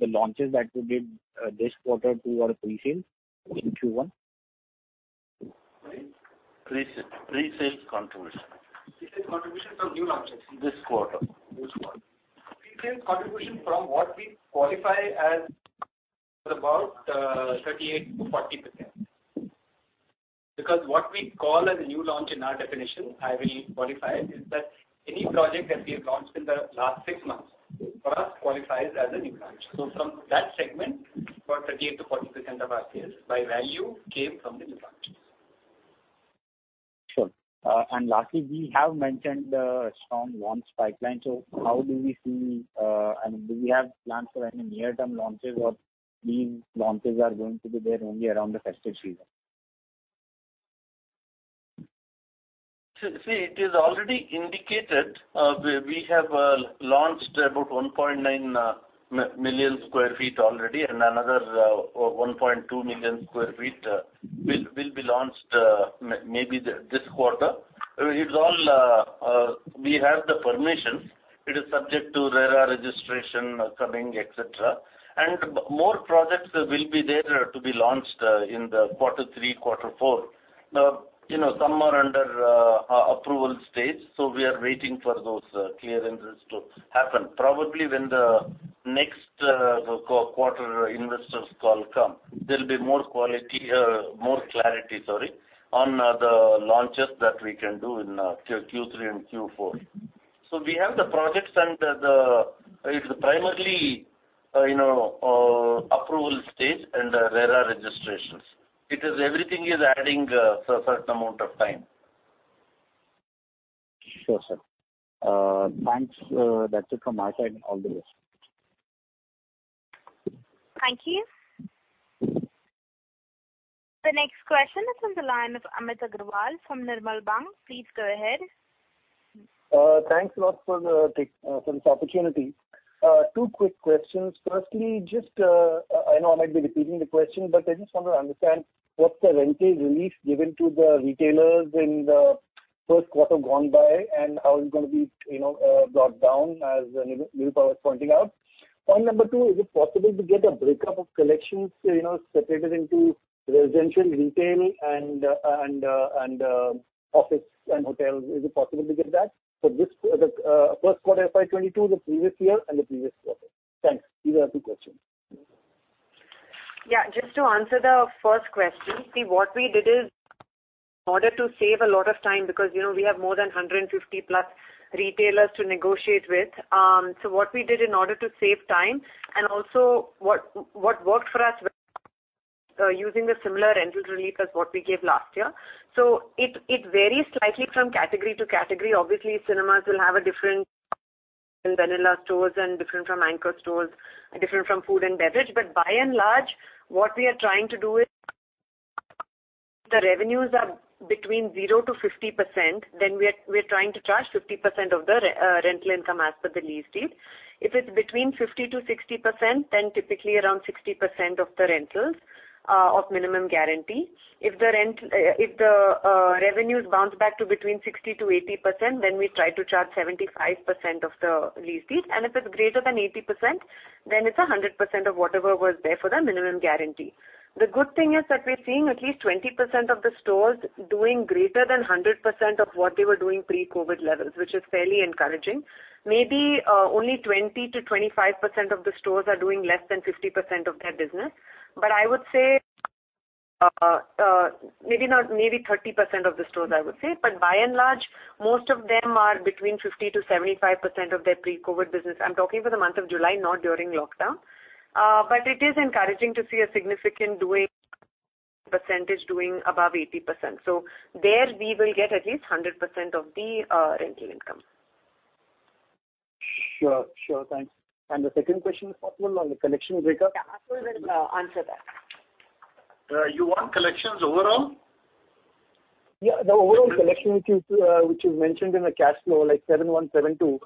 the launches that you did this quarter to your pre-sales in Q1? Sorry? Pre-sales contribution. Pre-sales contribution from new launches. This quarter. This quarter. Pre-sales contribution from what we qualify as about 38%-40%. What we call a new launch in our definition, I will qualify it, is that any project that we have launched in the last 6 months for us qualifies as a new launch. From that segment, about 38%-40% of our sales by value came from the new launches. Sure. Lastly, we have mentioned the strong launch pipeline. How do we see, and do we have plans for any near-term launches, or these launches are going to be there only around the festive season? See, it is already indicated. We have launched about 1.9 million sq ft already, and another 1.2 million sq ft will be launched maybe this quarter. We have the permission. It is subject to RERA registration coming, et cetera. More projects will be there to be launched in quarter three, quarter four. Some are under approval stage, so we are waiting for those clearances to happen. Probably when the next quarter investors call comes, there'll be more clarity on the launches that we can do in Q3 and Q4. We have the projects, and it's primarily approval stage and RERA registrations. Everything is adding a certain amount of time. Sure, sir. Thanks. That's it from my side. All the best. Thank you. The next question is on the line of Amit Agarwal from Nirmal Bang. Please go ahead. Thanks a lot for this opportunity. Two quick questions. Firstly, I know I might be repeating the question, but I just want to understand what's the rental relief given to the retailers in the first quarter gone by, and how it's going to be brought down, as Nirupa was pointing out. Point number two, is it possible to get a breakup of collections separated into residential, retail, and office, and hotel? Is it possible to get that? For first quarter FY 2022, the previous year, and the previous quarter. Thanks. These are the two questions. Yeah. Just to answer the first question, see, what we did is, in order to save a lot of time, because we have more than 150+ retailers to negotiate with. What we did in order to save time, and also what worked for us using the similar rental relief as what we gave last year. It varies slightly from category to category. Obviously, cinemas will have a different than vanilla stores, and different from anchor stores, and different from food and beverage. By and large, what we are trying to do is the revenues are between 0%-50%, then we're trying to charge 50% of the rental income as per the lease deed. If it's between 50%-60%, then typically around 60% of the rentals of minimum guarantee. If the revenues bounce back to between 60%-80%, then we try to charge 75% of the lease deed. If it's greater than 80%, then it's 100% of whatever was there for the minimum guarantee. The good thing is that we're seeing at least 20% of the stores doing greater than 100% of what they were doing pre-COVID levels, which is fairly encouraging. Maybe only 20%-25% of the stores are doing less than 50% of their business. I would say, maybe 30% of the stores are, I would say. By and large, most of them are between 50%-75% of their pre-COVID business. I'm talking for the month of July, not during lockdown. It is encouraging to see a significant percentage doing above 80%. There we will get at least 100% of the rental income. Sure. Thanks. The second question, if possible, on the collection breakup? Yeah. Atul will answer that. You want collections overall? Yeah, the overall collection which you mentioned in the cash flow, like 71, 72.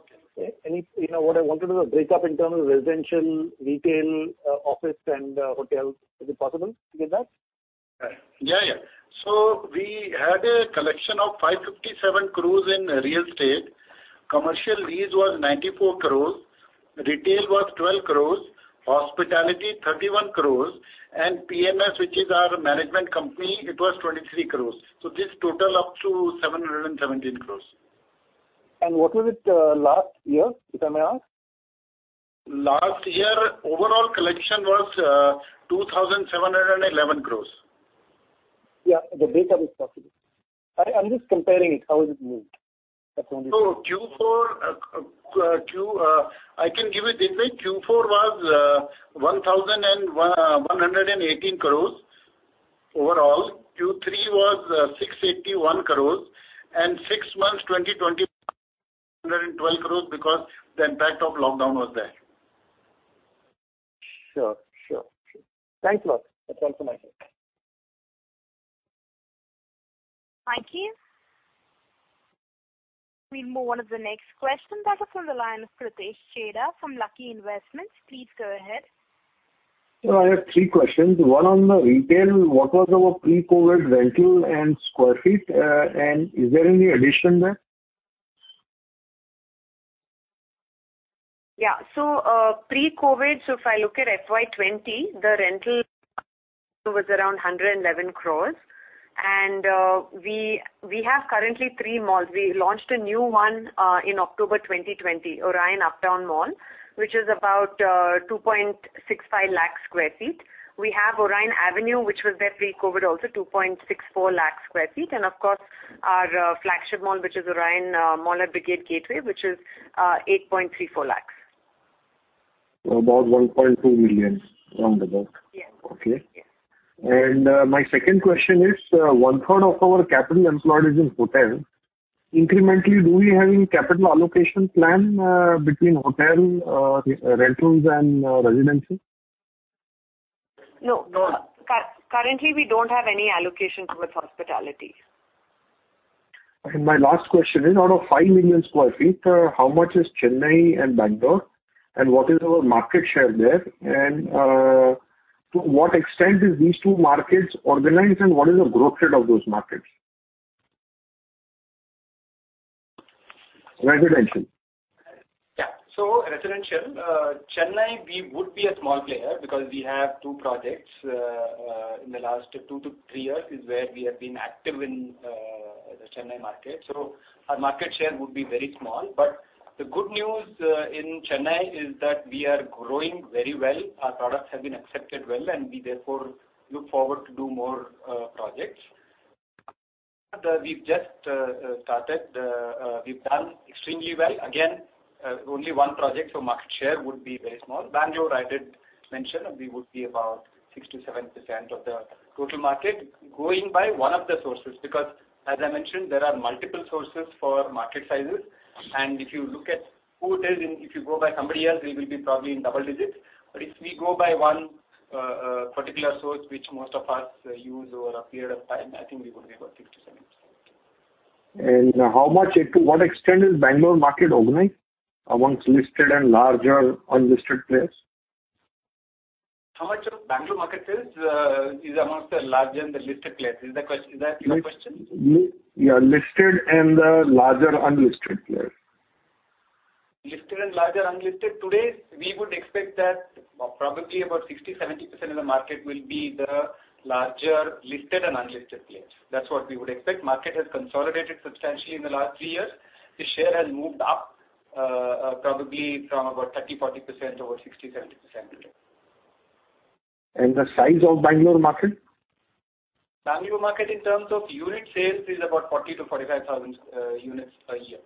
What I want to do is a breakup in terms of residential, retail, office, and hotel. Is it possible to get that? We had a collection of 557 crore in real estate. Commercial lease was 94 crore. Retail was 12 crore. Hospitality, 31 crore. PMS, which is our management company, it was 23 crore. This total up to 717 crore. What was it last year, if I may ask? Last year, overall collection was 2,711 crore. Yeah, the breakup, if possible. I'm just comparing it, how it has moved. Q4, I can give it this way. Q4 was 1,118 crore overall. Q3 was 681 crore, and six months 2020 712 crore because the impact of lockdown was there. Sure. Thanks a lot. That's all from my side. Thank you. We'll move on to the next question. That is from the line of Pritesh Chheda from Lucky Investments. Please go ahead. Sir, I have three questions. One on the retail. What was our pre-COVID rental and sq ft, and is there any addition there? Yeah. Pre-COVID, if I look at FY 2020, the rental was around 111 crore. We have currently three malls. We launched a new one in October 2020, Orion Uptown Mall, which is about 2.65 lakh sq ft. We have Orion Avenue, which was there pre-COVID also, 2.64 lakh sq ft. Of course, our flagship mall, which is Orion Mall at Brigade Gateway, which is 8.34 lakh sq ft. About 1.2 million, round about. Yes. Okay. Yes. My second question is, one-third of our capital employed is in hotel. Incrementally, do we have any capital allocation plan between hotel, rentals, and residency? No. No. Currently, we don't have any allocation towards hospitality. My last question is, out of 5 million sq ft, how much is Chennai and Bengaluru, and what is our market share there? To what extent is these two markets organized, and what is the growth rate of those markets? Residential. Yeah. residential. Chennai, we would be a small player because we have two projects. In the last two to three years is where we have been active in the Chennai market. Our market share would be very small. The good news in Chennai is that we are growing very well. Our products have been accepted well, and we therefore look forward to do more projects. We've just started. We've done extremely well. Again, only one project, market share would be very small. Bengaluru, I did mention, we would be about 6%-7% of the total market, going by one of the sources. As I mentioned, there are multiple sources for market sizes, and if you look at hotels, and if you go by somebody else, we will be probably in double digits. If we go by one particular source, which most of us use over a period of time, I think we would be about 6%-7%. To what extent is Bengaluru market organized amongst listed and larger unlisted players? How much of Bengaluru market sales is amongst the larger and the listed players? Is that your question? Yeah. Listed and the larger unlisted players. Listed and larger unlisted. Today, we would expect that probably about 60%-70% of the market will be the larger listed and unlisted players. That's what we would expect. Market has consolidated substantially in the last three years. The share has moved up probably from about 30%-40% to over 60%-70% today. The size of Bengaluru market? Bengaluru market in terms of unit sales is about 40,000-45,000 units per year.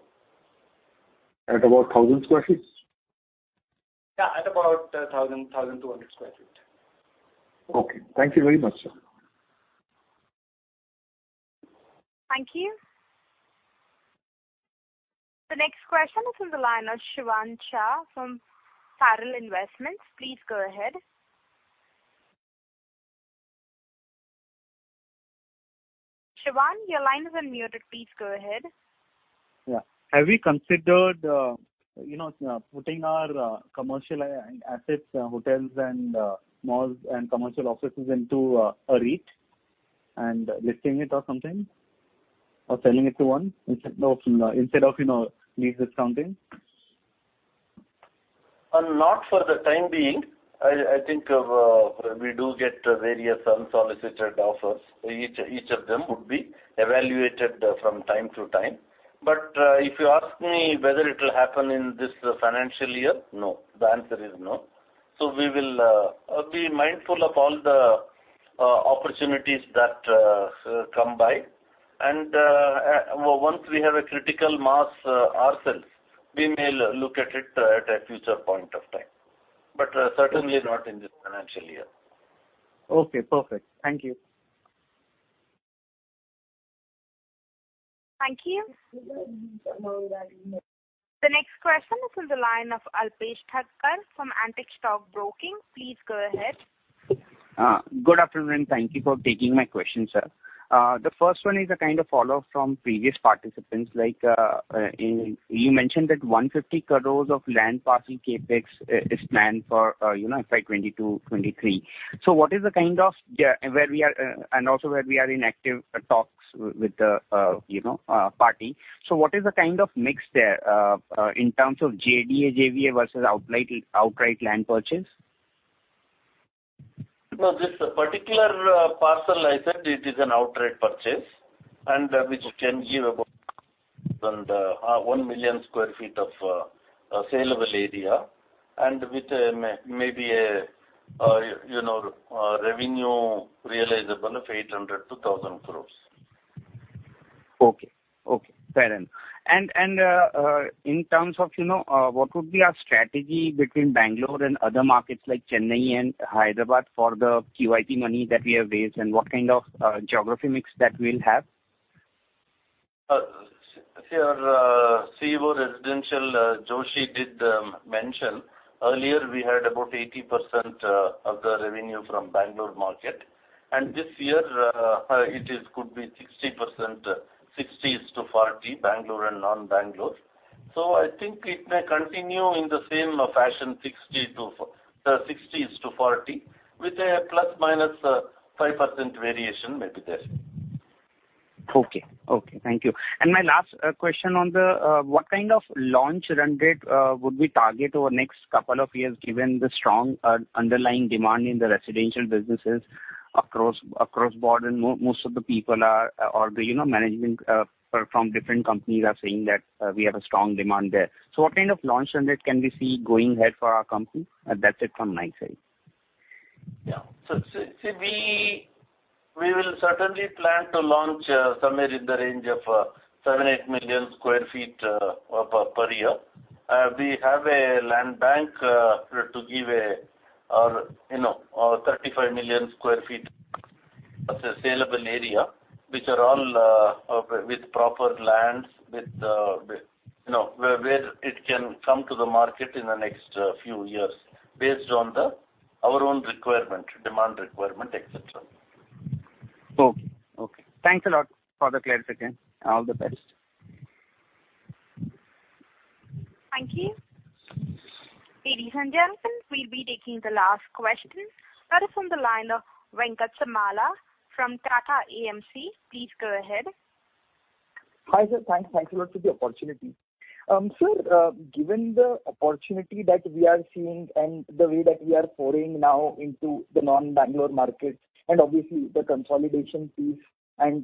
At about 1,000 sq ft? Yeah, at about 1,000, 1,200 sq ft. Okay. Thank you very much, sir. Thank you. The next question is on the line of Shravan Shah from Parlen Investments. Please go ahead. Shravan, your line is unmuted. Please go ahead. Yeah. Have we considered putting our commercial assets, hotels, malls, and commercial offices into a REIT and listing it or something, or selling it to one instead of lease or something? Not for the time being. I think we do get various unsolicited offers. Each of them would be evaluated from time to time. If you ask me whether it will happen in this financial year, no. The answer is no. We will be mindful of all the opportunities that come by, and once we have a critical mass ourselves, we may look at it at a future point of time. Certainly not in this financial year. Okay, perfect. Thank you. Thank you. The next question is on the line of Alpesh Thacker from Antique Stock Broking. Please go ahead. Good afternoon. Thank you for taking my question, sir. The first one is a kind of follow-up from previous participants. You mentioned that 150 crore of land parcel CapEx is planned for FY 2022, 2023. Also, that we are in active talks with a party. What is the kind of mix there in terms of JDA, JVA versus outright land purchase? No, this particular parcel I said, it is an outright purchase, and which can give about 1 million sq ft of saleable area, and with maybe a revenue realizable of 800 crore-1,000 crore. Okay. Fair enough. In terms of what would be our strategy between Bengaluru and other markets like Chennai and Hyderabad for the QIP money that we have raised, and what kind of geography mix that we'll have? Our CEO Residential, Joshi, did mention earlier we had about 80% of the revenue from Bengaluru market. This year it could be 60%. 60:40, Bengaluru and non-Bengaluru. I think it may continue in the same fashion, 60:40, with a ±5% variation maybe there. Okay. Thank you. My last question on the, what kind of launch run rate would we target over next two years, given the strong underlying demand in the residential businesses across board? Most of the people are, or the management from different companies are saying that we have a strong demand there. What kind of launch run rate can we see going ahead for our company? That's it from my side. We will certainly plan to launch somewhere in the range of 7, 8 million sq ft per year. We have a land bank to give our 35 million sq ft of saleable area, which are all with proper lands, where it can come to the market in the next few years based on our own requirement, demand requirement, etc. Okay. Thanks a lot for the clarity again. All the best. Thank you. Ladies and gentlemen, we will be taking the last question. That is from the line of Venkat Samala from Tata AMC. Please go ahead. Hi, sir. Thanks a lot for the opportunity. Sir, given the opportunity that we are seeing and the way that we are pouring now into the non-Bengaluru market, obviously the consolidation piece and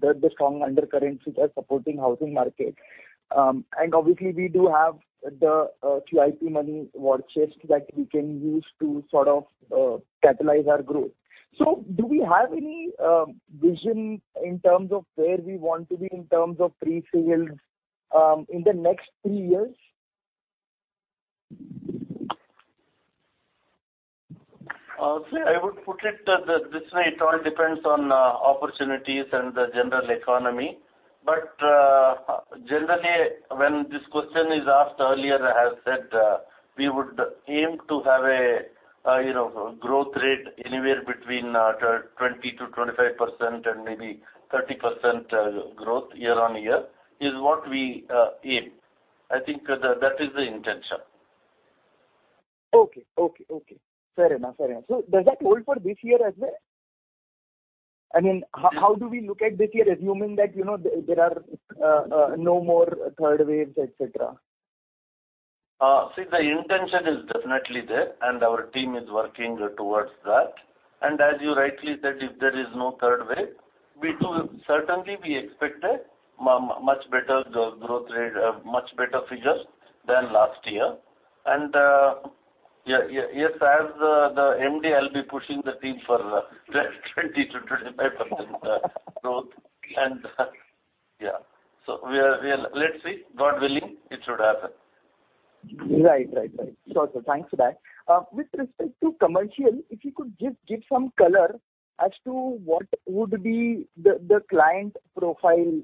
the strong undercurrents which are supporting housing market. Obviously, we do have the QIP money war chest that we can use to sort of catalyze our growth. Do we have any vision in terms of where we want to be in terms of pre-sales in the next three years? See, I would put it this way, it all depends on opportunities and the general economy. Generally, when this question is asked earlier, I have said we would aim to have a growth rate anywhere between 20%-25% and maybe 30% growth year-on-year, is what we aim. I think that is the intention. Okay. Fair enough. Does that hold for this year as well? I mean, how do we look at this year, assuming that there are no more third waves, et cetera? See, the intention is definitely there. Our team is working towards that. As you rightly said, if there is no third wave, certainly we expect a much better growth rate, much better figures than last year. Yes, as the MD, I'll be pushing the team for 20%-25% growth. Yeah. Let's see. God willing, it should happen. Right. Sure, sir. Thanks for that. With respect to commercial, if you could just give some color as to what would be the client profile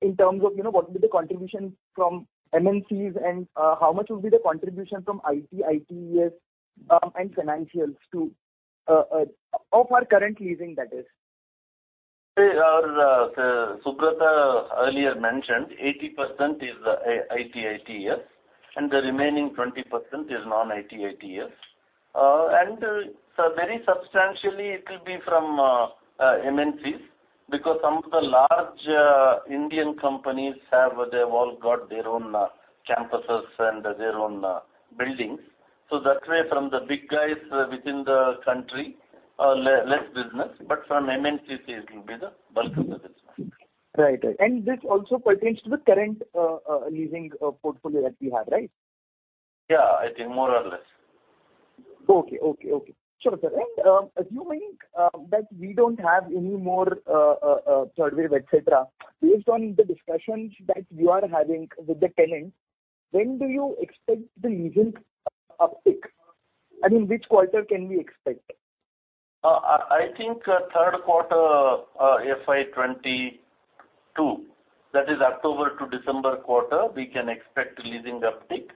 in terms of what would be the contribution from MNCs and how much would be the contribution from IT/ ITeS, and financials, too. Of our current leasing, that is. See, our Subrata earlier mentioned 80% is IT/ITeS, the remaining 20% is non IT/ITeS. Very substantially it will be from MNCs because some of the large Indian companies, they've all got their own campuses and their own buildings. That way from the big guys within the country, less business, but from MNCs it will be the bulk of the business. Right. This also pertains to the current leasing portfolio that we have, right? Yeah, I think more or less. Okay. Sure, sir. Assuming that we don't have any more third wave, et cetera, based on the discussions that you are having with the tenants, when do you expect the leasing uptick? I mean, which quarter can we expect? I think third quarter FY 2022, that is October to December quarter, we can expect leasing uptick,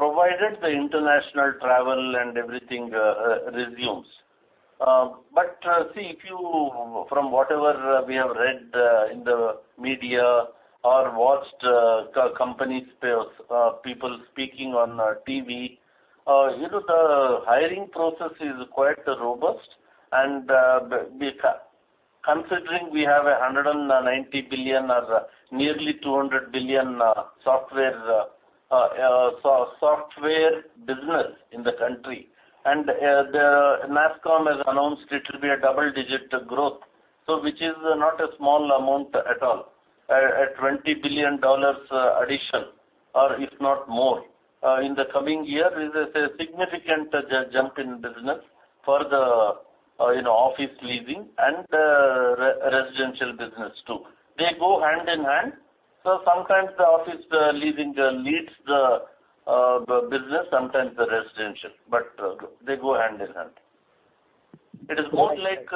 provided the international travel and everything resumes. See, from whatever we have read in the media or watched companies, people speaking on TV, the hiring process is quite robust. Considering we have 190 billion or nearly 200 billion software business in the country, the NASSCOM has announced it will be a double-digit growth. Which is not a small amount at all. An INR 20 billion addition, or if not more, in the coming year is a significant jump in business for the office leasing and residential business too. They go hand in hand. Sometimes the office leasing leads the business, sometimes the residential. They go hand in hand. It is more like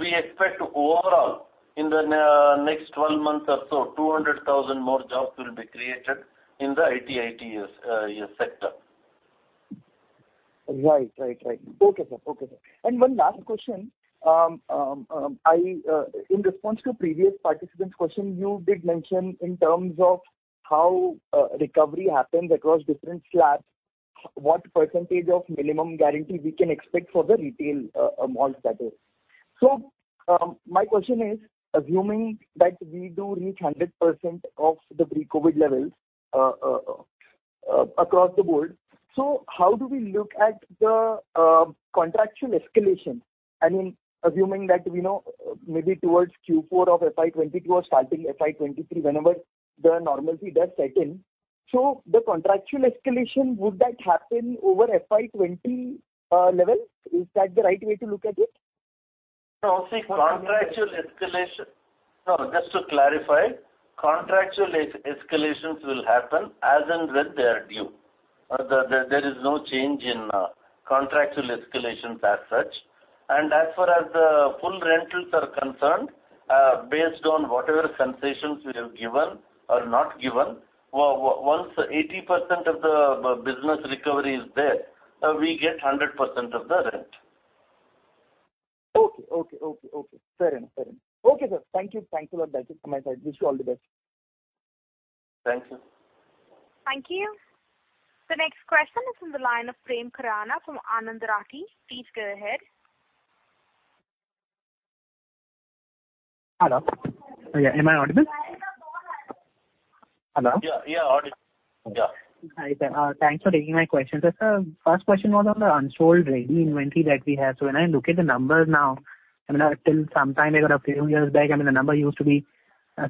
we expect overall in the next 12 months or so, 200,000 more jobs will be created in the IT/ITeS sector. Right. Okay, sir. One last question. In response to a previous participant's question, you did mention in terms of how recovery happens across different slabs, what % of minimum guarantee we can expect for the retail malls, that is. My question is, assuming that we do reach 100% of the pre-COVID levels across the board, how do we look at the contractual escalation? Assuming that we know maybe towards Q4 of FY 2022 or starting FY 2023, whenever the normalcy does set in. The contractual escalation, would that happen over FY 2020 levels? Is that the right way to look at it? No, just to clarify, contractual escalations will happen as and when they are due. There is no change in contractual escalations as such. As far as the full rentals are concerned, based on whatever concessions we have given or not given, once 80% of the business recovery is there, we get 100% of the rent. Okay. Fair enough. Okay, sir. Thank you. Thank you for that. I wish you all the best. Thanks. Thank you. The next question is from the line of Prem Khurana from Anand Rathi. Please go ahead. Hello? Am I audible? Hello? Yeah, audible. Hi, sir. Thanks for taking my question. Sir, first question was on the unsold ready inventory that we have. When I look at the numbers now, till some time ago, a few years back, the number used to be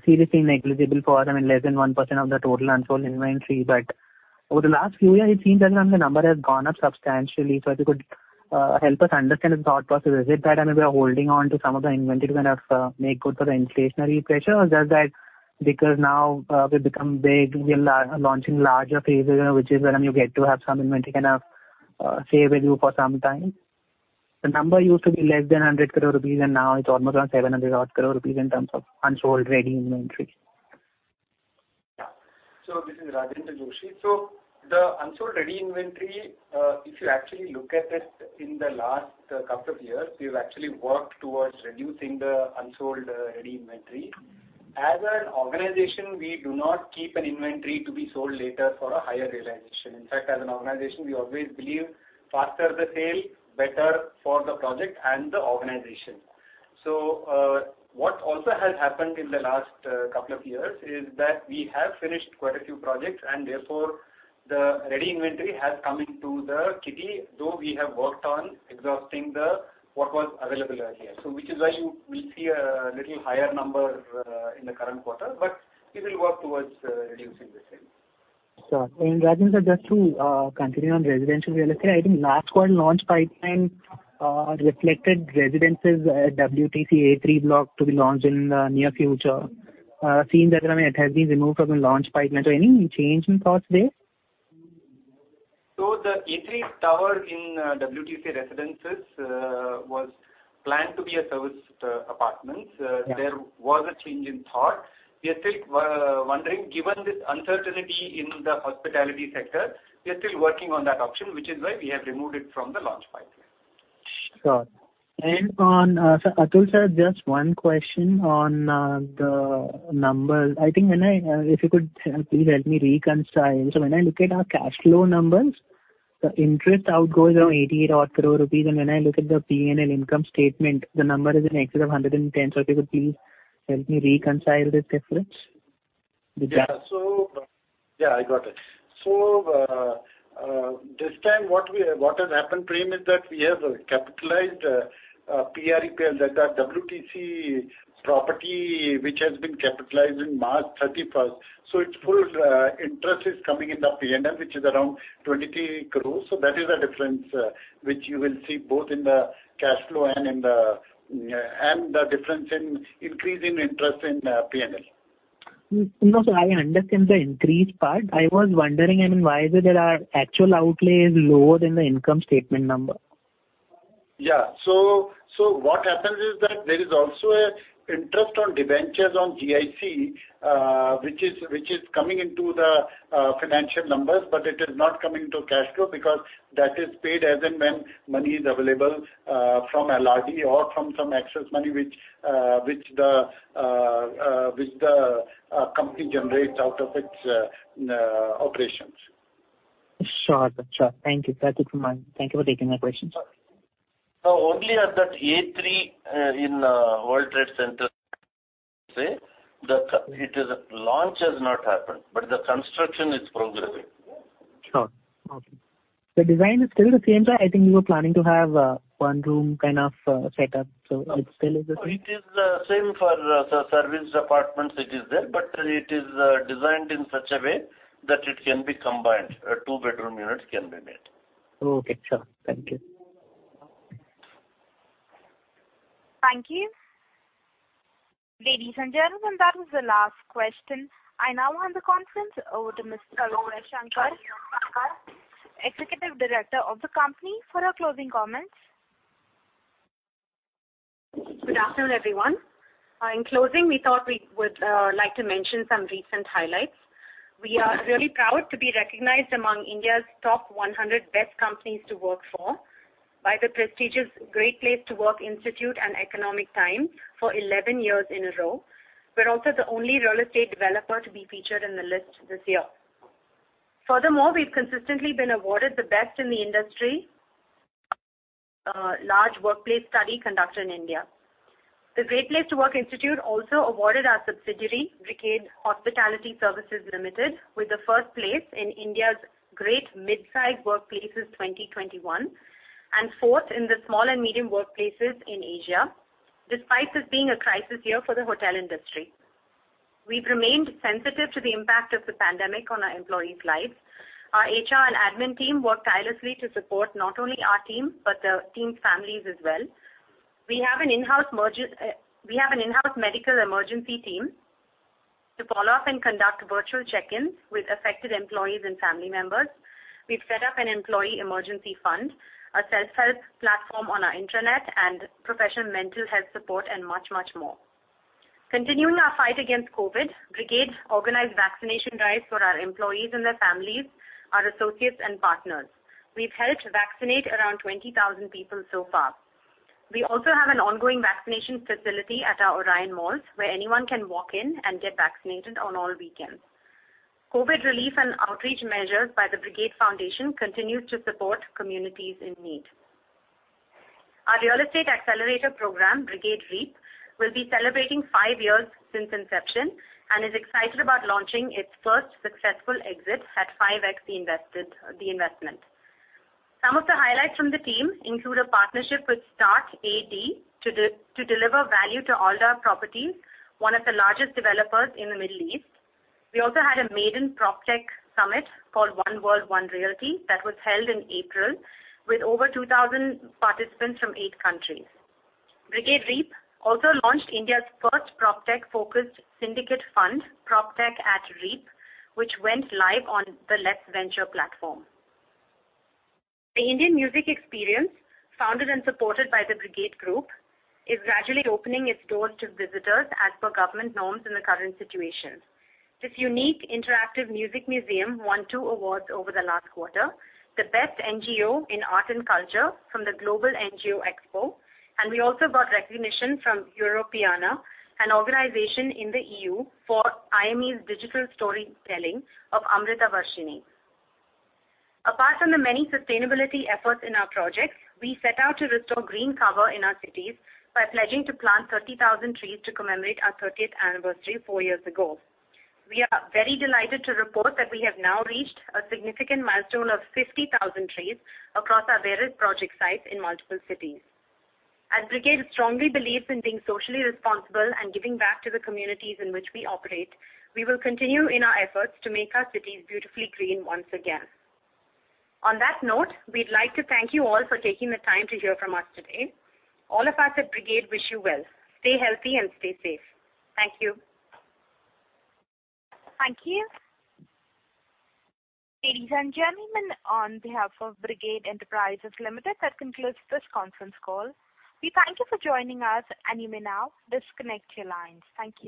seriously negligible for us, less than 1% of the total unsold inventory. Over the last few years, it seems as if the number has gone up substantially. If you could help us understand the thought process. Is it that we are holding on to some of the inventory to kind of make good for the inflationary pressure? Is that because now we've become big, we are launching larger phases, which is when you get to have some inventory kind of stay with you for some time. The number used to be less than 100 crore rupees. 700 odd crore in terms of unsold ready inventory. This is Rajendra Joshi. The unsold ready inventory, if you actually look at it, in the last couple of years, we've actually worked towards reducing the unsold ready inventory. As an organization, we do not keep an inventory to be sold later for a higher realization. In fact, as an organization, we always believe faster the sale, better for the project and the organization. What also has happened in the last couple of years is that we have finished quite a few projects and therefore the ready inventory has come into the kitty, though we have worked on exhausting what was available earlier. Which is why you will see a little higher number in the current quarter. We will work towards reducing the same. Sir. Rajendra, just to continue on residential real estate, I think last quarter launch pipeline reflected residences at WTC A3 block to be launched in the near future. It seems that it has been removed from the launch pipeline. Any change in thoughts there? The A3 tower in WTC Residences was planned to be a serviced apartment. Yeah. There was a change in thought. We are still wondering, given this uncertainty in the hospitality sector, we are still working on that option, which is why we have removed it from the launch pipeline. Sure. Atul sir, just one question on the numbers. If you could please help me reconcile. When I look at our cash flow numbers, the interest outgo is around 88 odd crore, and when I look at the P&L income statement, the number is in excess of 110. If you could please help me reconcile this difference. Yeah, I got it. This time what has happened, Prem, is that we have capitalized PREPL, that WTC property which has been capitalized in March 31st. Its full interest is coming in the P&L, which is around 23 crore. That is the difference which you will see both in the cash flow and the difference in increase in interest in P&L. No, sir, I understand the increase part. I was wondering why is it that our actual outlay is lower than the income statement number. What happens is that there is also an interest on debentures on GIC, which is coming into the financial numbers, but it is not coming into cash flow because that is paid as and when money is available from LRD or from some excess money which the company generates out of its operations. Sure. Thank you. That's it from my end. Thank you for taking my questions. Only at that A3 in World Trade Center, the launch has not happened, but the construction is progressing. Sure. Okay. The design is still the same, sir? I think you were planning to have a one room kind of setup. It still is the same? It is the same for serviced apartments, it is there. It is designed in such a way that it can be combined. Two-bedroom units can be made. Okay, sure. Thank you. Thank you. Ladies and gentlemen, that was the last question. I now hand the conference over to Ms. Pavitra Shankar, Executive Director of the company, for her closing comments. Good afternoon, everyone. In closing, we thought we would like to mention some recent highlights. We are really proud to be recognized among India's top 100 best companies to work for by the prestigious Great Place to Work Institute and Economic Times for 11 years in a row. We're also the only real estate developer to be featured in the list this year. Furthermore, we've consistently been awarded the best in the industry, large workplace study conducted in India. The Great Place to Work Institute also awarded our subsidiary, Brigade Hospitality Services Limited, with the first place in India's Great Mid-Sized Workplaces 2021, and fourth in the small and medium workplaces in Asia, despite this being a crisis year for the hotel industry. We've remained sensitive to the impact of the pandemic on our employees' lives. Our HR and admin team worked tirelessly to support not only our team, but the team's families as well. We have an in-house medical emergency team to follow up and conduct virtual check-ins with affected employees and family members. We've set up an employee emergency fund, a self-help platform on our internet, and professional mental health support and much, much more. Continuing our fight against COVID, Brigade organized vaccination drives for our employees and their families, our associates, and partners. We've helped vaccinate around 20,000 people so far. We also have an ongoing vaccination facility at our Orion Malls, where anyone can walk in and get vaccinated on all weekends. COVID relief and outreach measures by the Brigade Foundation continue to support communities in need. Our real estate accelerator program, Brigade REAP, will be celebrating five years since inception, and is excited about launching its first successful exit at 5X the investment. Some of the highlights from the team include a partnership with startAD to deliver value to Aldar Properties, one of the largest developers in the Middle East. We also had a maiden PropTech summit called One World, One Realty, that was held in April with over 2,000 participants from eight countries. Brigade REAP also launched India's first PropTech-focused syndicate fund, PropTech@REAP, which went live on the LetsVenture platform. The Indian Music Experience, founded and supported by the Brigade Group, is gradually opening its doors to visitors as per government norms in the current situation. This unique interactive music museum won two awards over the last quarter, the best NGO in art and culture from the Global NGO Expo, and we also got recognition from Europeana, an organization in the EU, for IME's digital storytelling of Amritavarshini. Apart from the many sustainability efforts in our projects, we set out to restore green cover in our cities by pledging to plant 30,000 trees to commemorate our 30th anniversary four years ago. We are very delighted to report that we have now reached a significant milestone of 50,000 trees across our various project sites in multiple cities. As Brigade strongly believes in being socially responsible and giving back to the communities in which we operate, we will continue in our efforts to make our cities beautifully green once again. On that note, we'd like to thank you all for taking the time to hear from us today. All of us at Brigade wish you well. Stay healthy and stay safe. Thank you. Thank you. Ladies and gentlemen, on behalf of Brigade Enterprises Limited, that concludes this conference call. We thank you for joining us, and you may now disconnect your lines. Thank you.